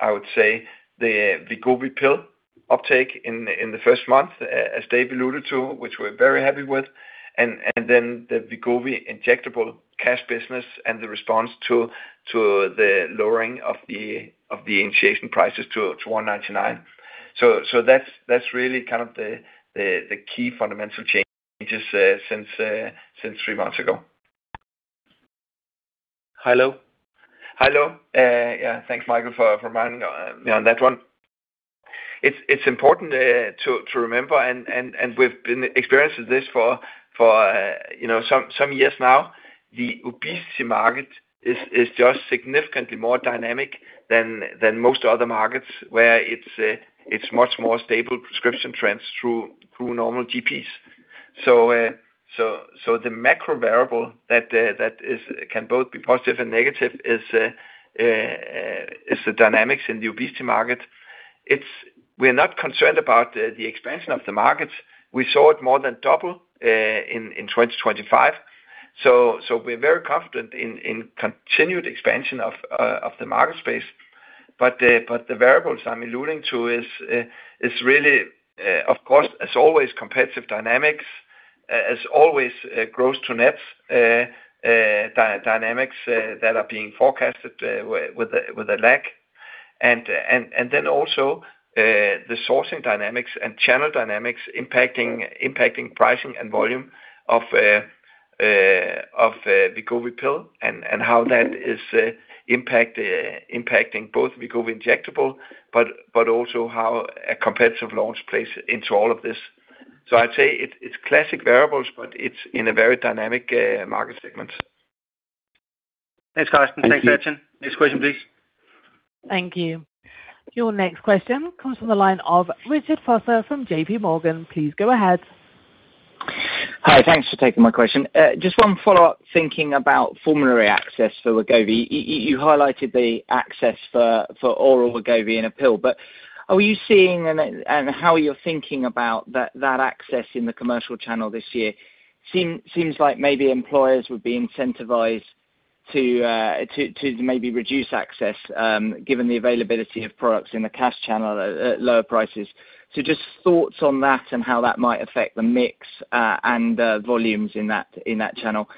I would say, the Wegovy pill uptake in the first month, as Dave alluded to, which we're very happy with, and then the Wegovy injectable cash business and the response to the lowering of the initiation prices to $199. So that's really kind of the key fundamental changes since three months ago. Hi, hello. Hi, hello. Yeah, thanks, Michael, for reminding me on that one. It's important to remember, and we've been experiencing this for, you know, some years now. The obesity market is just significantly more dynamic than most other markets, where it's much more stable prescription trends through normal GPs. So, the macro variable that is—can both be positive and negative is the dynamics in the obesity market. It's... We're not concerned about the expansion of the markets. We saw it more than double in 2025. So, we're very confident in continued expansion of the market space. But the variables I'm alluding to is really, of course, as always, competitive dynamics, as always, gross to nets, dynamics that are being forecasted with a lag, and then also the sourcing dynamics and channel dynamics impacting pricing and volume of the Wegovy pill and how that is impacting both Wegovy injectable, but also how a competitive launch plays into all of this. So I'd say it's classic variables, but it's in a very dynamic market segment. Thanks, Karsten. Thanks for that. Next question, please. Thank you. Your next question comes from the line of Richard Vosser from JPMorgan. Please go ahead. Hi. Thanks for taking my question. Just one follow-up, thinking about formulary access for Wegovy. You highlighted the access for oral Wegovy in a pill, but are you seeing, and how you're thinking about that access in the commercial channel this year? Seems like maybe employers would be incentivized to maybe reduce access, given the availability of products in the cash channel at lower prices. So just thoughts on that and how that might affect the mix, and volumes in that channel.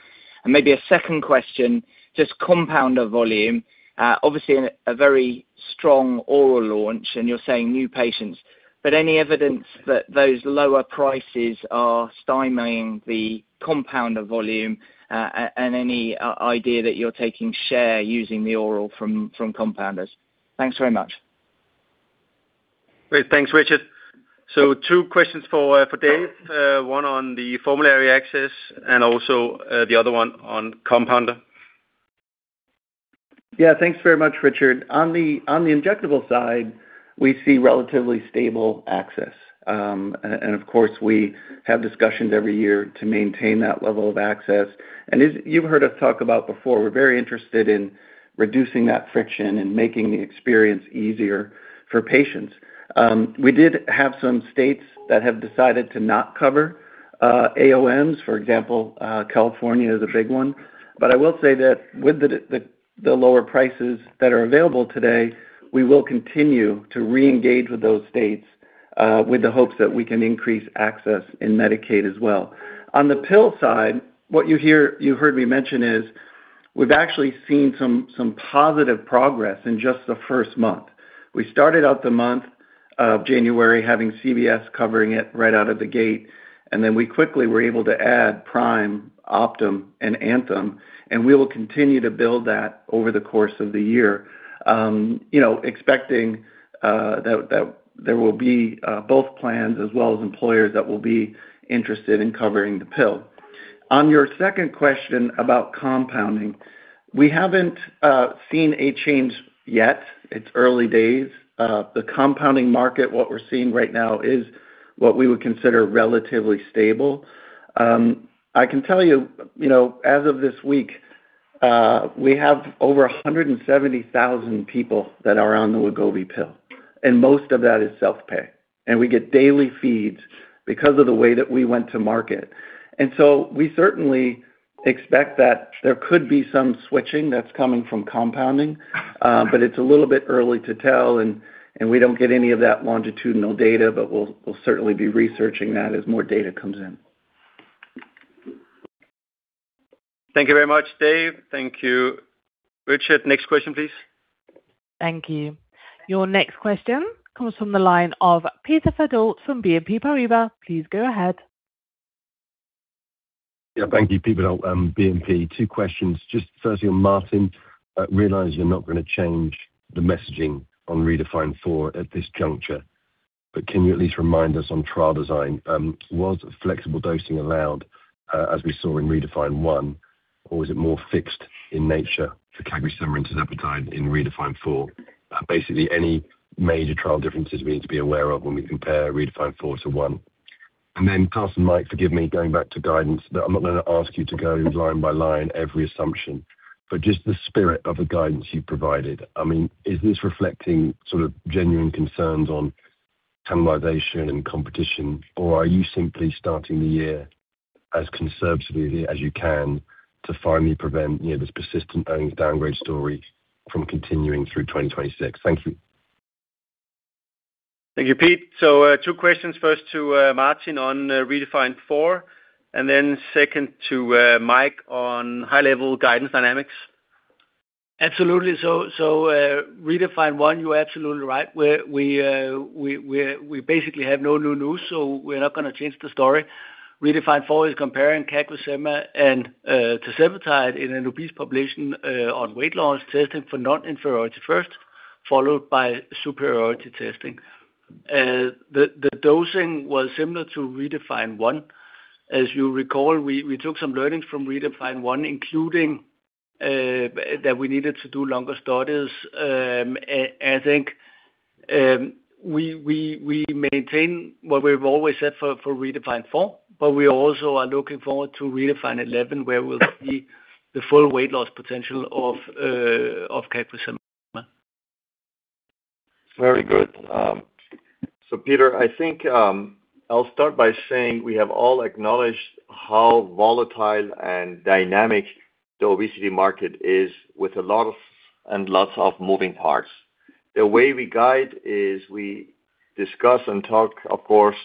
And maybe a second question, just compounder volume. Obviously, a very strong oral launch, and you're saying new patients, but any evidence that those lower prices are stymieing the compounder volume, and any idea that you're taking share using the oral from compounders? Thanks very much. Great. Thanks, Richard. So two questions for Dave, one on the formulary access and also the other one on compounder. Yeah. Thanks very much, Richard. On the injectable side, we see relatively stable access. Of course, we have discussions every year to maintain that level of access. And as you've heard us talk about before, we're very interested in reducing that friction and making the experience easier for patients. We did have some states that have decided to not cover AOMs, for example, California is a big one. But I will say that with the lower prices that are available today, we will continue to reengage with those states, with the hopes that we can increase access in Medicaid as well. On the pill side, what you heard me mention is, we've actually seen some positive progress in just the first month. We started out the month of January having CVS covering it right out of the gate, and then we quickly were able to add Prime, Optum, and Anthem, and we will continue to build that over the course of the year. You know, expecting, that, that there will be, both plans, as well as employers that will be interested in covering the pill. On your second question about compounding, we haven't seen a change yet. It's early days. The compounding market, what we're seeing right now is what we would consider relatively stable. I can tell you, you know, as of this week, we have over 170,000 people that are on the Wegovy pill, and most of that is self-pay. And we get daily feeds because of the way that we went to market.... And so we certainly expect that there could be some switching that's coming from compounding, but it's a little bit early to tell, and we don't get any of that longitudinal data, but we'll certainly be researching that as more data comes in. Thank you very much, Dave. Thank you, Richard. Next question, please. Thank you. Your next question comes from the line of Peter Verdult from BNP Paribas. Please go ahead. Yeah, thank you, Peter, BNP. Two questions. Just firstly on Martin, I realize you're not gonna change the messaging on REDEFINE 4 at this juncture, but can you at least remind us on trial design, was flexible dosing allowed, as we saw in REDEFINE 1, or was it more fixed in nature for CagriSema in REDEFINE 4? Basically, any major trial differences we need to be aware of when we compare REDEFINE 4 to 1. And then, Carsten, Mike, forgive me, going back to guidance, but I'm not gonna ask you to go line by line, every assumption, but just the spirit of the guidance you've provided. I mean, is this reflecting sort of genuine concerns on cannibalization and competition, or are you simply starting the year as conservatively as you can to finally prevent, you know, this persistent earnings downgrade story from continuing through 2026? Thank you. Thank you, Pete. So, two questions. First to Martin on REDEFINE 4, and then second to Mike on high-level guidance dynamics. Absolutely. So, REDEFINE 1, you're absolutely right. We basically have no new news, so we're not gonna change the story. REDEFINE 4 is comparing CagriSema and tirzepatide in an obese population on weight loss, testing for non-inferiority first, followed by superiority testing. The dosing was similar to REDEFINE 1. As you recall, we took some learnings from REDEFINE 1, including that we needed to do longer studies. And I think we maintain what we've always said for REDEFINE 4, but we also are looking forward to REDEFINE 11, where we'll see the full weight loss potential of CagriSema. Very good. So Peter, I think, I'll start by saying we have all acknowledged how volatile and dynamic the obesity market is with a lot of and lots of moving parts. The way we guide is we discuss and talk, of course,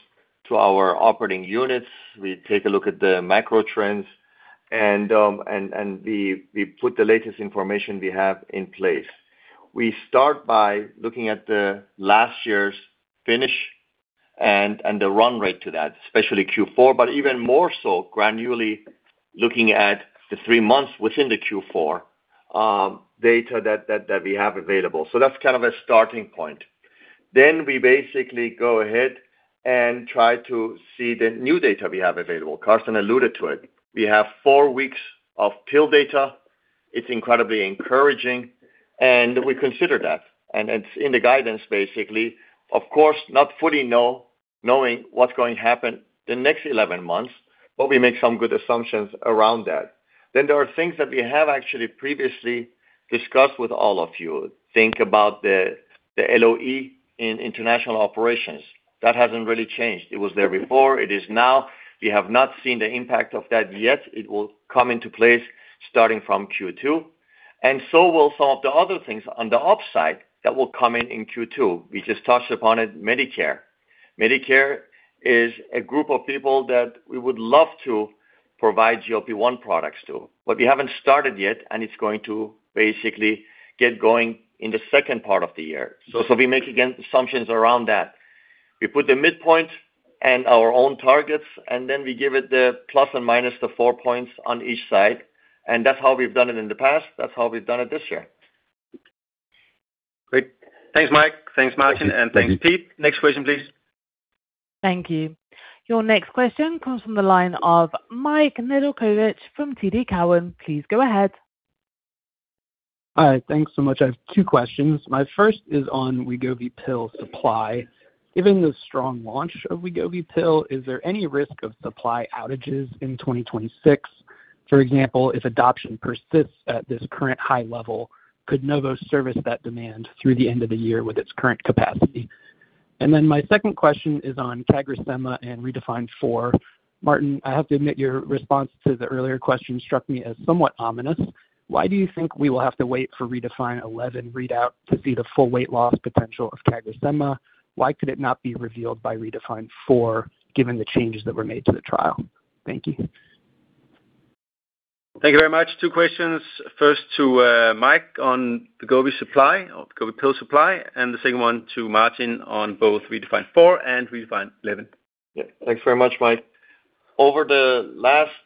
to our operating units. We take a look at the macro trends, and we put the latest information we have in place. We start by looking at the last year's finish and the run rate to that, especially Q4, but even more so, granularly looking at the three months within the Q4, data that we have available. So that's kind of a starting point. Then we basically go ahead and try to see the new data we have available. Carsten alluded to it. We have four weeks of pill data. It's incredibly encouraging, and we consider that, and it's in the guidance, basically. Of course, not fully knowing what's going to happen the next 11 months, but we make some good assumptions around that. Then there are things that we have actually previously discussed with all of you. Think about the LOE in international operations. That hasn't really changed. It was there before, it is now. We have not seen the impact of that yet. It will come into place starting from Q2, and so will some of the other things on the upside that will come in in Q2. We just touched upon it, Medicare. Medicare is a group of people that we would love to provide GLP-1 products to, but we haven't started yet, and it's going to basically get going in the second part of the year. So we make, again, assumptions around that. We put the midpoint and our own targets, and then we give it the plus and minus the four points on each side, and that's how we've done it in the past. That's how we've done it this year. Great. Thanks, Mike. Thanks, Martin, and thanks, Pete. Next question, please. Thank you. Your next question comes from the line of Mike Nedelcovych from TD Cowen. Please go ahead. Hi. Thanks so much. I have two questions. My first is on Wegovy pill supply. Given the strong launch of Wegovy pill, is there any risk of supply outages in 2026? For example, if adoption persists at this current high level, could Novo service that demand through the end of the year with its current capacity? And then my second question is on CagriSema and REDEFINE 4. Martin, I have to admit, your response to the earlier question struck me as somewhat ominous. Why do you think we will have to wait for REDEFINE 11 readout to see the full weight loss potential of CagriSema? Why could it not be revealed by REDEFINE 4, given the changes that were made to the trial? Thank you. Thank you very much. Two questions. First to Mike on the Wegovy supply, or Wegovy pill supply, and the second one to Martin on both REDEFINE 4 and REDEFINE 11. Yeah. Thanks very much, Mike. Over the last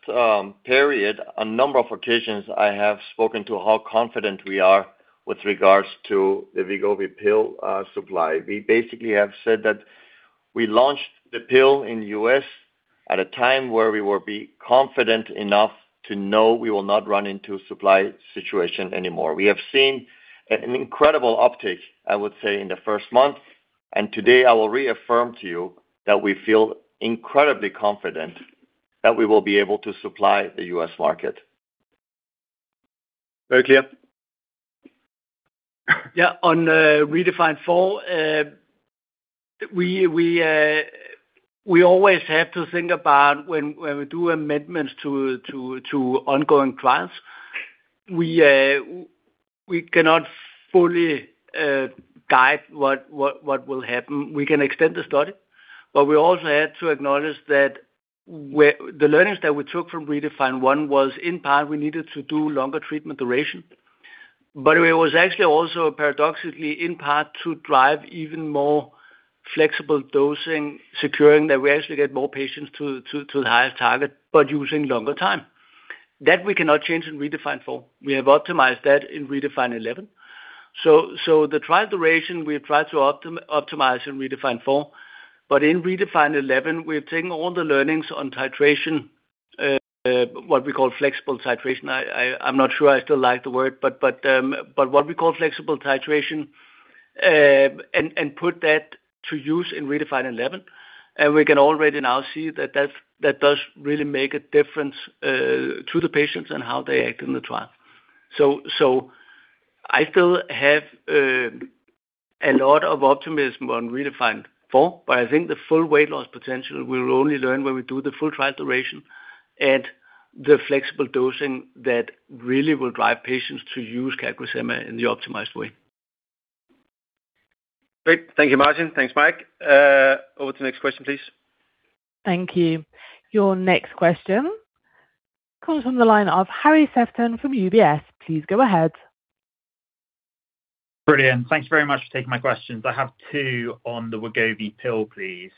period, a number of occasions, I have spoken to how confident we are with regards to the Wegovy pill supply. We basically have said that we launched the pill in the U.S. at a time where we will be confident enough to know we will not run into a supply situation anymore. We have seen an incredible uptake, I would say, in the first month, and today I will reaffirm to you that we feel incredibly confident that we will be able to supply the U.S. market. Very clear.... Yeah, on REDEFINE 4, we always have to think about when we do amendments to ongoing trials, we cannot fully guide what will happen. We can extend the study, but we also had to acknowledge that the learnings that we took from REDEFINE 1 was in part, we needed to do longer treatment duration. But it was actually also paradoxically in part to drive even more flexible dosing, securing that we actually get more patients to the highest target, but using longer time. That we cannot change in REDEFINE 4. We have optimized that in REDEFINE 11. So the trial duration, we have tried to optimize in REDEFINE 4, but in REDEFINE 11, we've taken all the learnings on titration, what we call flexible titration. I'm not sure I still like the word, but what we call flexible titration, and put that to use in REDEFINE 11, and we can already now see that that does really make a difference to the patients and how they act in the trial. So I still have a lot of optimism on REDEFINE 4, but I think the full weight loss potential we will only learn when we do the full trial duration and the flexible dosing that really will drive patients to use CagriSema in the optimized way. Great. Thank you, Martin. Thanks, Mike. Over to the next question, please. Thank you. Your next question comes from the line of Harry Sephton from UBS. Please go ahead. Brilliant. Thanks very much for taking my questions. I have two on the Wegovy pill, please.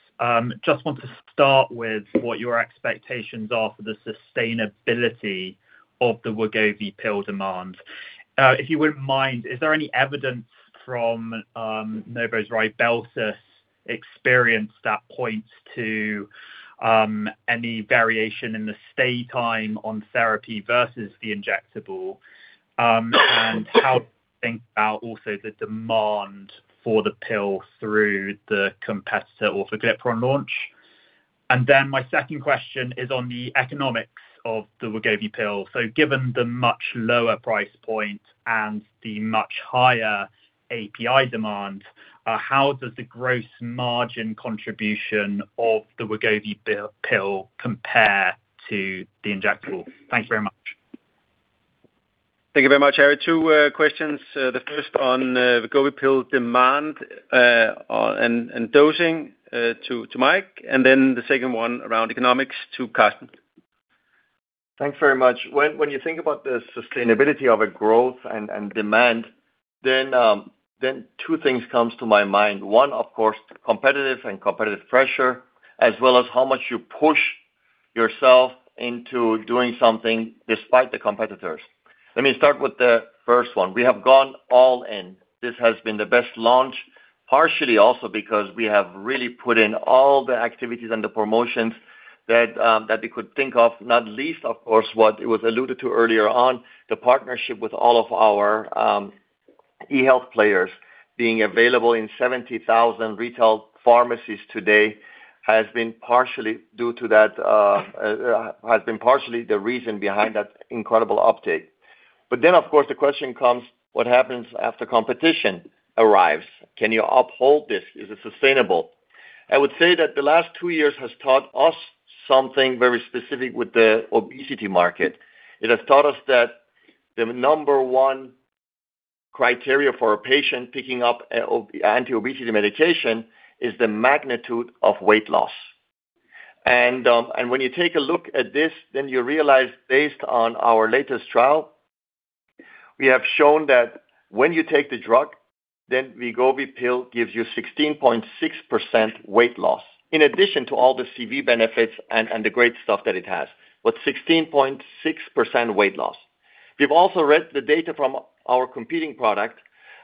Just want to start with what your expectations are for the sustainability of the Wegovy pill demand. If you wouldn't mind, is there any evidence from, Novo's Rybelsus experience that points to, any variation in the stay time on therapy versus the injectable? And how do you think about also the demand for the pill through the competitor orforglipron launch? And then my second question is on the economics of the Wegovy pill. So given the much lower price point and the much higher API demand, how does the gross margin contribution of the Wegovy pill compare to the injectable? Thank you very much. Thank you very much, Harry. Two questions. The first one on the Wegovy pill demand and dosing to Mike, and then the second one around economics to Karsten. Thanks very much. When you think about the sustainability of a growth and demand, then two things comes to my mind. One, of course, competitive pressure, as well as how much you push yourself into doing something despite the competitors. Let me start with the first one. We have gone all in. This has been the best launch, partially also because we have really put in all the activities and the promotions that we could think of, not least, of course, what it was alluded to earlier on, the partnership with all of our e-health players being available in 70,000 retail pharmacies today, has been partially due to that, has been partially the reason behind that incredible uptake. But then, of course, the question comes: What happens after competition arrives? Can you uphold this? Is it sustainable? I would say that the last two years has taught us something very specific with the obesity market. It has taught us that the number one criteria for a patient picking up anti-obesity medication is the magnitude of weight loss. And when you take a look at this, then you realize, based on our latest trial, we have shown that when you take the drug, then Wegovy pill gives you 16.6% weight loss, in addition to all the CV benefits and the great stuff that it has, but 16.6% weight loss. We've also read the data from our competing product,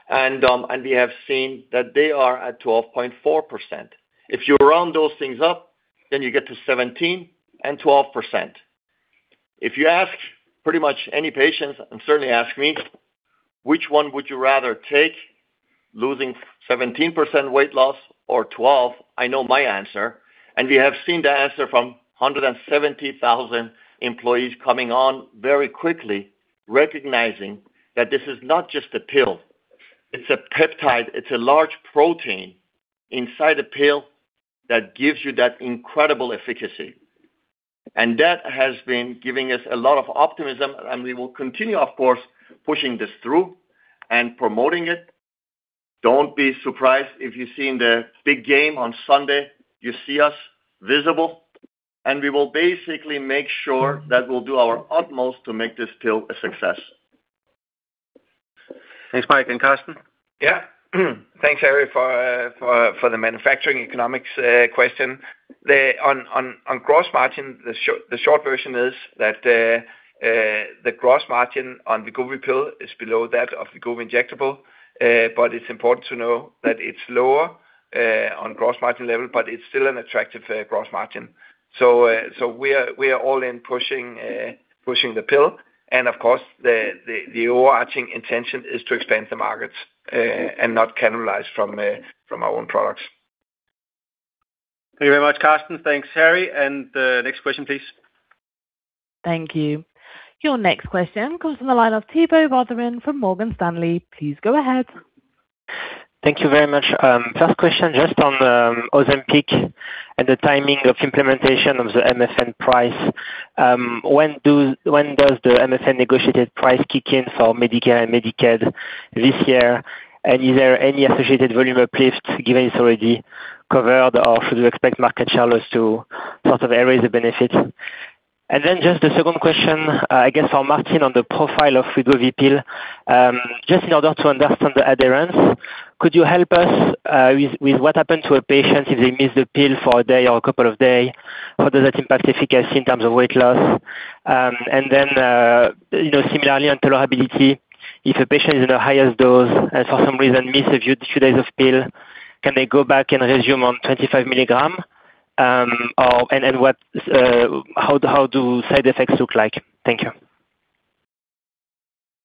and and we have seen that they are at 12.4%. If you round those things up, then you get to 17% and 12%. If you ask pretty much any patient, and certainly ask me, which one would you rather take, losing 17% weight loss or 12? I know my answer, and we have seen the answer from 170,000 employees coming on very quickly, recognizing that this is not just a pill, it's a peptide. It's a large protein inside a pill that gives you that incredible efficacy. And that has been giving us a lot of optimism, and we will continue, of course, pushing this through and promoting it. Don't be surprised if you've seen the big game on Sunday, you see us visible, and we will basically make sure that we'll do our utmost to make this pill a success. Thanks, Mike and Karsten? Yeah. Thanks, Harry, for the manufacturing economics question. On gross margin, the short version is that the gross margin on the Wegovy pill is below that of the Wegovy injectable, but it's important to know that it's lower on gross margin level, but it's still an attractive gross margin. So, we are all in pushing the pill, and of course, the overarching intention is to expand the markets and not cannibalize from our own products.... Thank you very much, Karsten. Thanks, Harry. Next question, please. Thank you. Your next question comes from the line of Thibault Boutherin from Morgan Stanley. Please go ahead. Thank you very much. First question, just on Ozempic and the timing of implementation of the MFN price. When does the MFN negotiated price kick in for Medicare and Medicaid this year? And is there any associated volume uplift, given it's already covered, or should we expect market share loss to sort of erase the benefit? And then just the second question, I guess for Martin on the profile of Wegovy pill. Just in order to understand the adherence, could you help us with what happened to a patient if they missed a pill for a day or a couple of day? How does that impact efficacy in terms of weight loss? And then, you know, similarly on tolerability, if a patient is in the highest dose and for some reason missed a few days of pill, can they go back and resume on 25 milligram? And what do side effects look like? Thank you.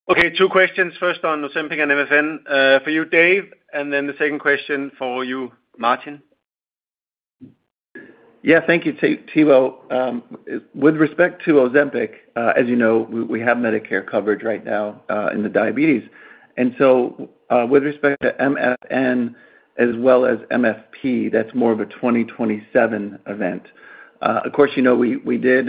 Okay, two questions. First, on Ozempic and MFN, for you, Dave, and then the second question for you, Martin. Yeah, thank you, Thibault. With respect to Ozempic, as you know, we have Medicare coverage right now in the diabetes. And so, with respect to MFN as well as MFP, that's more of a 2027 event. Of course, you know, we did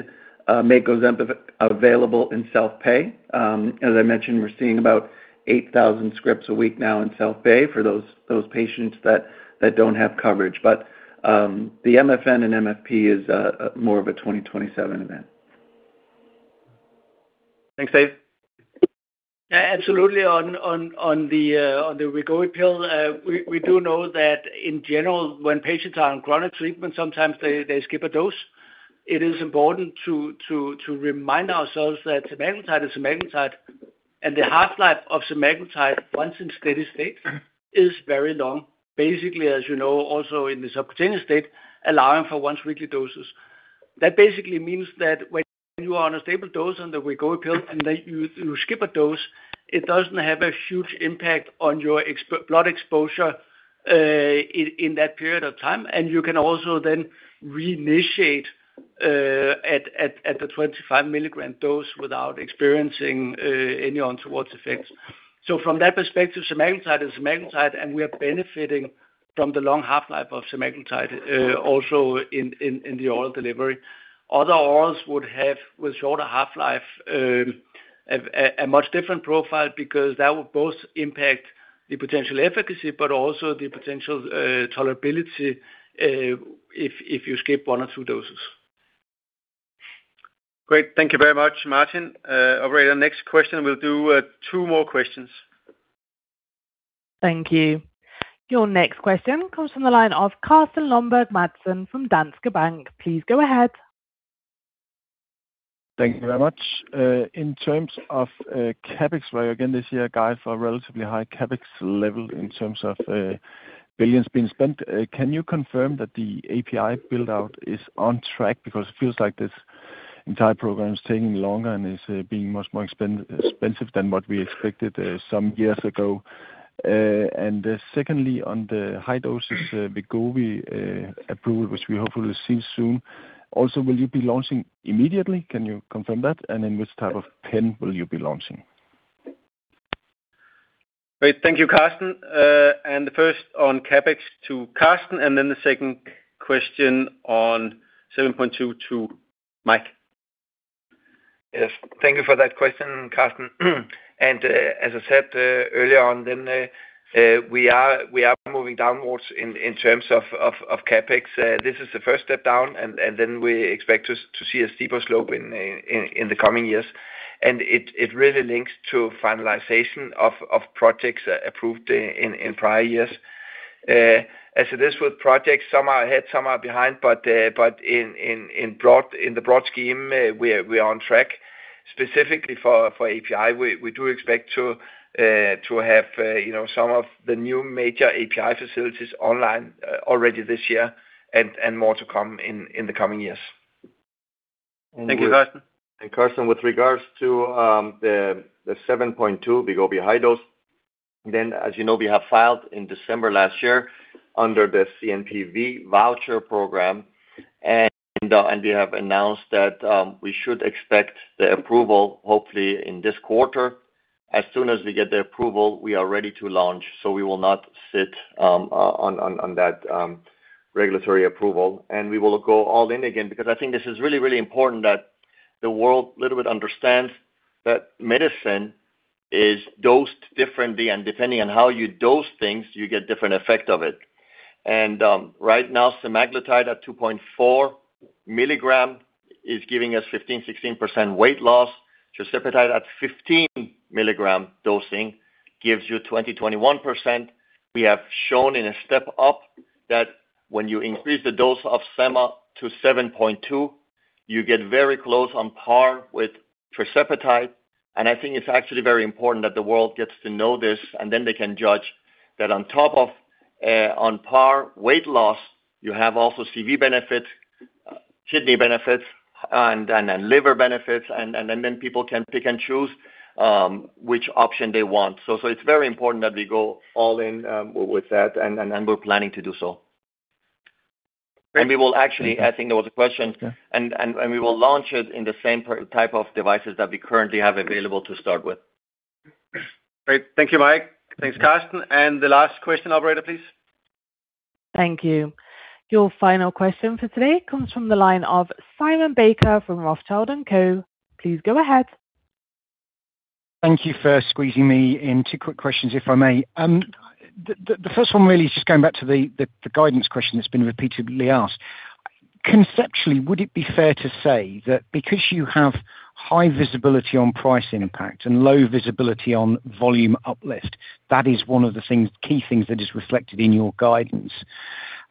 make Ozempic available in self-pay. As I mentioned, we're seeing about 8,000 scripts a week now in self-pay for those patients that don't have coverage. But the MFN and MFP is more of a 2027 event. Thanks, Dave. Yeah, absolutely. On the Wegovy pill, we do know that in general, when patients are on chronic treatment, sometimes they skip a dose. It is important to remind ourselves that semaglutide is semaglutide, and the half-life of semaglutide, once in steady state, is very long. Basically, as you know, also in the subcutaneous state, allowing for once-weekly doses. That basically means that when you are on a stable dose on the Wegovy pill, and then you skip a dose, it doesn't have a huge impact on your blood exposure, in that period of time, and you can also then reinitiate at the 25 mg dose without experiencing any untoward effects. So from that perspective, semaglutide is semaglutide, and we are benefiting from the long half-life of semaglutide, also in the oral delivery. Other orals would have, with shorter half-life, a much different profile because that would both impact the potential efficacy but also the potential tolerability, if you skip one or two doses. Great. Thank you very much, Martin. Operator, next question. We'll do two more questions. Thank you. Your next question comes from the line of Carsten Lønborg Madsen from Danske Bank. Please go ahead. Thank you very much. In terms of CapEx, where again, this year guide for a relatively high CapEx level in terms of billions being spent, can you confirm that the API build-out is on track? Because it feels like this entire program is taking longer and is being much more expensive than what we expected some years ago. And secondly, on the high doses Wegovy approval, which we hopefully see soon, also, will you be launching immediately? Can you confirm that? And in which type of pen will you be launching? Great. Thank you, Carsten. The first on CapEx to Karsten, and then the second question on 7.2 to Mike. Yes, thank you for that question, Carsten. And, as I said, earlier on, then, we are moving downwards in terms of CapEx. This is the first step down, and then we expect to see a steeper slope in the coming years. And it really links to finalization of projects approved in prior years. As it is with projects, some are ahead, some are behind, but in the broad scheme, we are on track. Specifically for API, we do expect to have, you know, some of the new major API facilities online already this year and more to come in the coming years. Thank you, Karsten. Carsten, with regards to the 7.2 Wegovy high dose, then, as you know, we have filed in December last year under the CMPV voucher program. And we have announced that we should expect the approval, hopefully, in this quarter. As soon as we get the approval, we are ready to launch, so we will not sit on that regulatory approval. And we will go all in again, because I think this is really, really important that the world little bit understands that medicine is dosed differently, and depending on how you dose things, you get different effect of it. And right now, semaglutide at 2.4 mg is giving us 15%-16% weight loss. Tirzepatide at 15 mg dosing gives you 20%-21%. We have shown in a step up that when you increase the dose of Sema to 7.2, you get very close on par with tirzepatide, and I think it's actually very important that the world gets to know this, and then they can judge that on top of on par weight loss, you have also CV benefits, kidney benefits and liver benefits, and then people can pick and choose which option they want. So it's very important that we go all in with that, and we're planning to do so. And we will actually, I think there was a question, and we will launch it in the same type of devices that we currently have available to start with. Great. Thank you, Mike. Thanks, Karsten. The last question, operator, please. Thank you. Your final question for today comes from the line of Simon Baker from Rothschild & Co. Please go ahead. Thank you for squeezing me in. Two quick questions, if I may. The first one really is just going back to the guidance question that's been repeatedly asked. Conceptually, would it be fair to say that because you have high visibility on pricing impact and low visibility on volume uplift, that is one of the key things that is reflected in your guidance?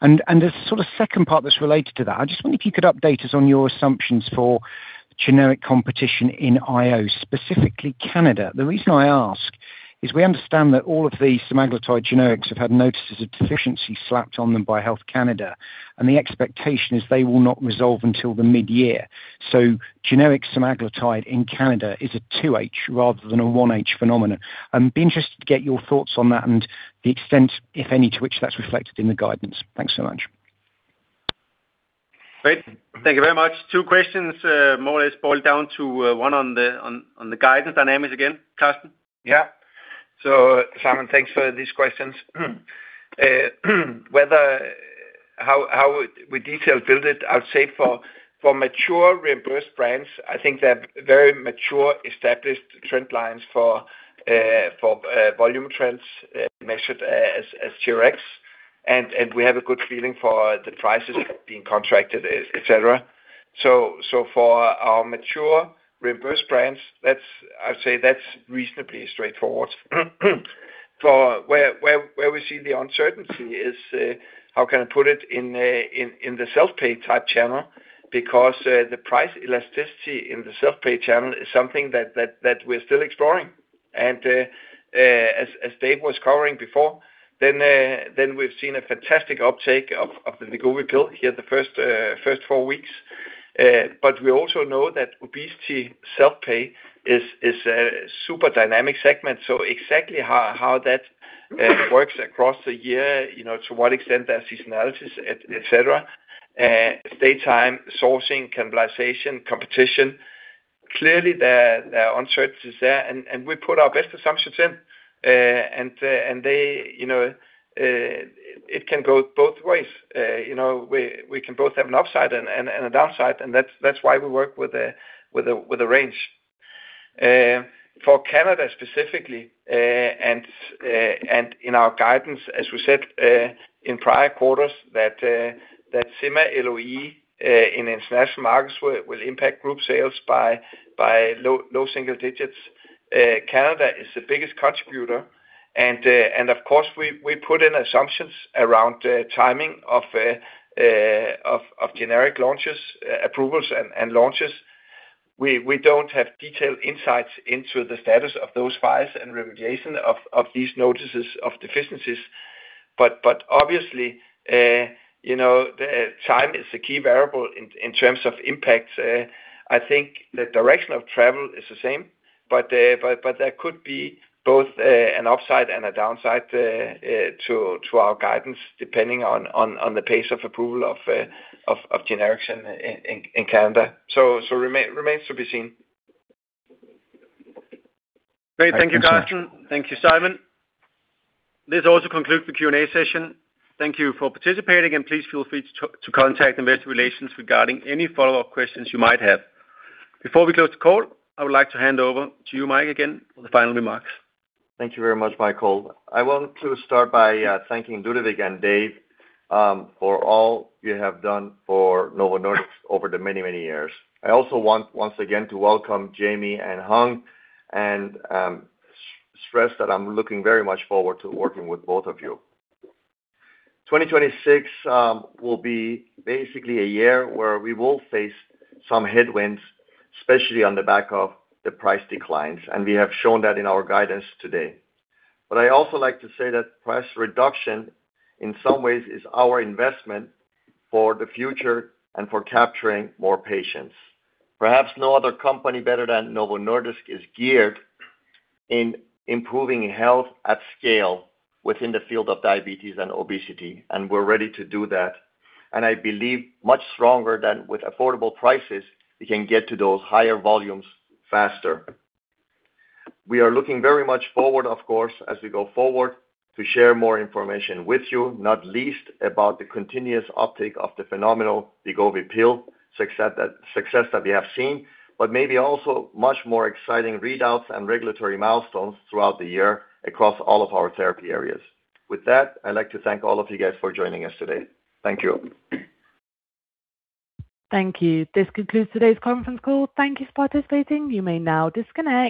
And there's sort of second part that's related to that. I just wonder if you could update us on your assumptions for generic competition in IO, specifically Canada. The reason I ask is we understand that all of the semaglutide generics have had Notices of Deficiency slapped on them by Health Canada, and the expectation is they will not resolve until the mid-year. So generic semaglutide in Canada is a 2H rather than a 1H phenomenon. I'd be interested to get your thoughts on that and the extent, if any, to which that's reflected in the guidance. Thanks so much. Great. Thank you very much. Two questions, more or less boiled down to one on the guidance dynamics again. Karsten? Yeah. So Simon, thanks for these questions. How we detail build it, I would say for mature reimbursed brands, I think they're very mature, established trend lines for volume trends measured as TRX. And we have a good feeling for the prices being contracted, et cetera. So for our mature reimbursed brands, that's. I would say that's reasonably straightforward. For us where we see the uncertainty is, how can I put it? In the self-pay type channel, because the price elasticity in the self-pay channel is something that we're still exploring. And as Dave was covering before, then we've seen a fantastic uptake of the Wegovy pill here the first four weeks. But we also know that obesity self-pay is a super dynamic segment. So exactly how that works across the year, you know, to what extent there are seasonalities, et cetera, stay time, sourcing, cannibalization, competition, clearly the uncertainty is there. And we put our best assumptions in, and they, you know, it can go both ways. You know, we can both have an upside and a downside, and that's why we work with a range. For Canada specifically, and in our guidance, as we said, in prior quarters, that Sema LOE in international markets will impact group sales by low single digits. Canada is the biggest contributor, and of course, we put in assumptions around the timing of generic launches, approvals and launches. We don't have detailed insights into the status of those files and regulation of these notices of deficiencies. But obviously, you know, the time is the key variable in terms of impact. I think the direction of travel is the same, but there could be both an upside and a downside to our guidance, depending on the pace of approval of generics in Canada. So remains to be seen. Great. Thank you, Karsten. Thank you, Simon. This also concludes the Q&A session. Thank you for participating, and please feel free to contact Investor Relations regarding any follow-up questions you might have. Before we close the call, I would like to hand over to you, Mike, again, for the final remarks. Thank you very much, Michael. I want to start by thanking Ludovic and Dave for all you have done for Novo Nordisk over the many, many years. I also want, once again, to welcome Jamie and Hong, and stress that I'm looking very much forward to working with both of you. 2026 will be basically a year where we will face some headwinds, especially on the back of the price declines, and we have shown that in our guidance today. But I also like to say that price reduction, in some ways, is our investment for the future and for capturing more patients. Perhaps no other company better than Novo Nordisk is geared in improving health at scale within the field of diabetes and obesity, and we're ready to do that. I believe much stronger than with affordable prices, we can get to those higher volumes faster. We are looking very much forward, of course, as we go forward, to share more information with you, not least about the continuous uptake of the phenomenal Wegovy pill success that we have seen, but maybe also much more exciting readouts and regulatory milestones throughout the year across all of our therapy areas. With that, I'd like to thank all of you guys for joining us today. Thank you. Thank you. This concludes today's conference call. Thank you for participating. You may now disconnect.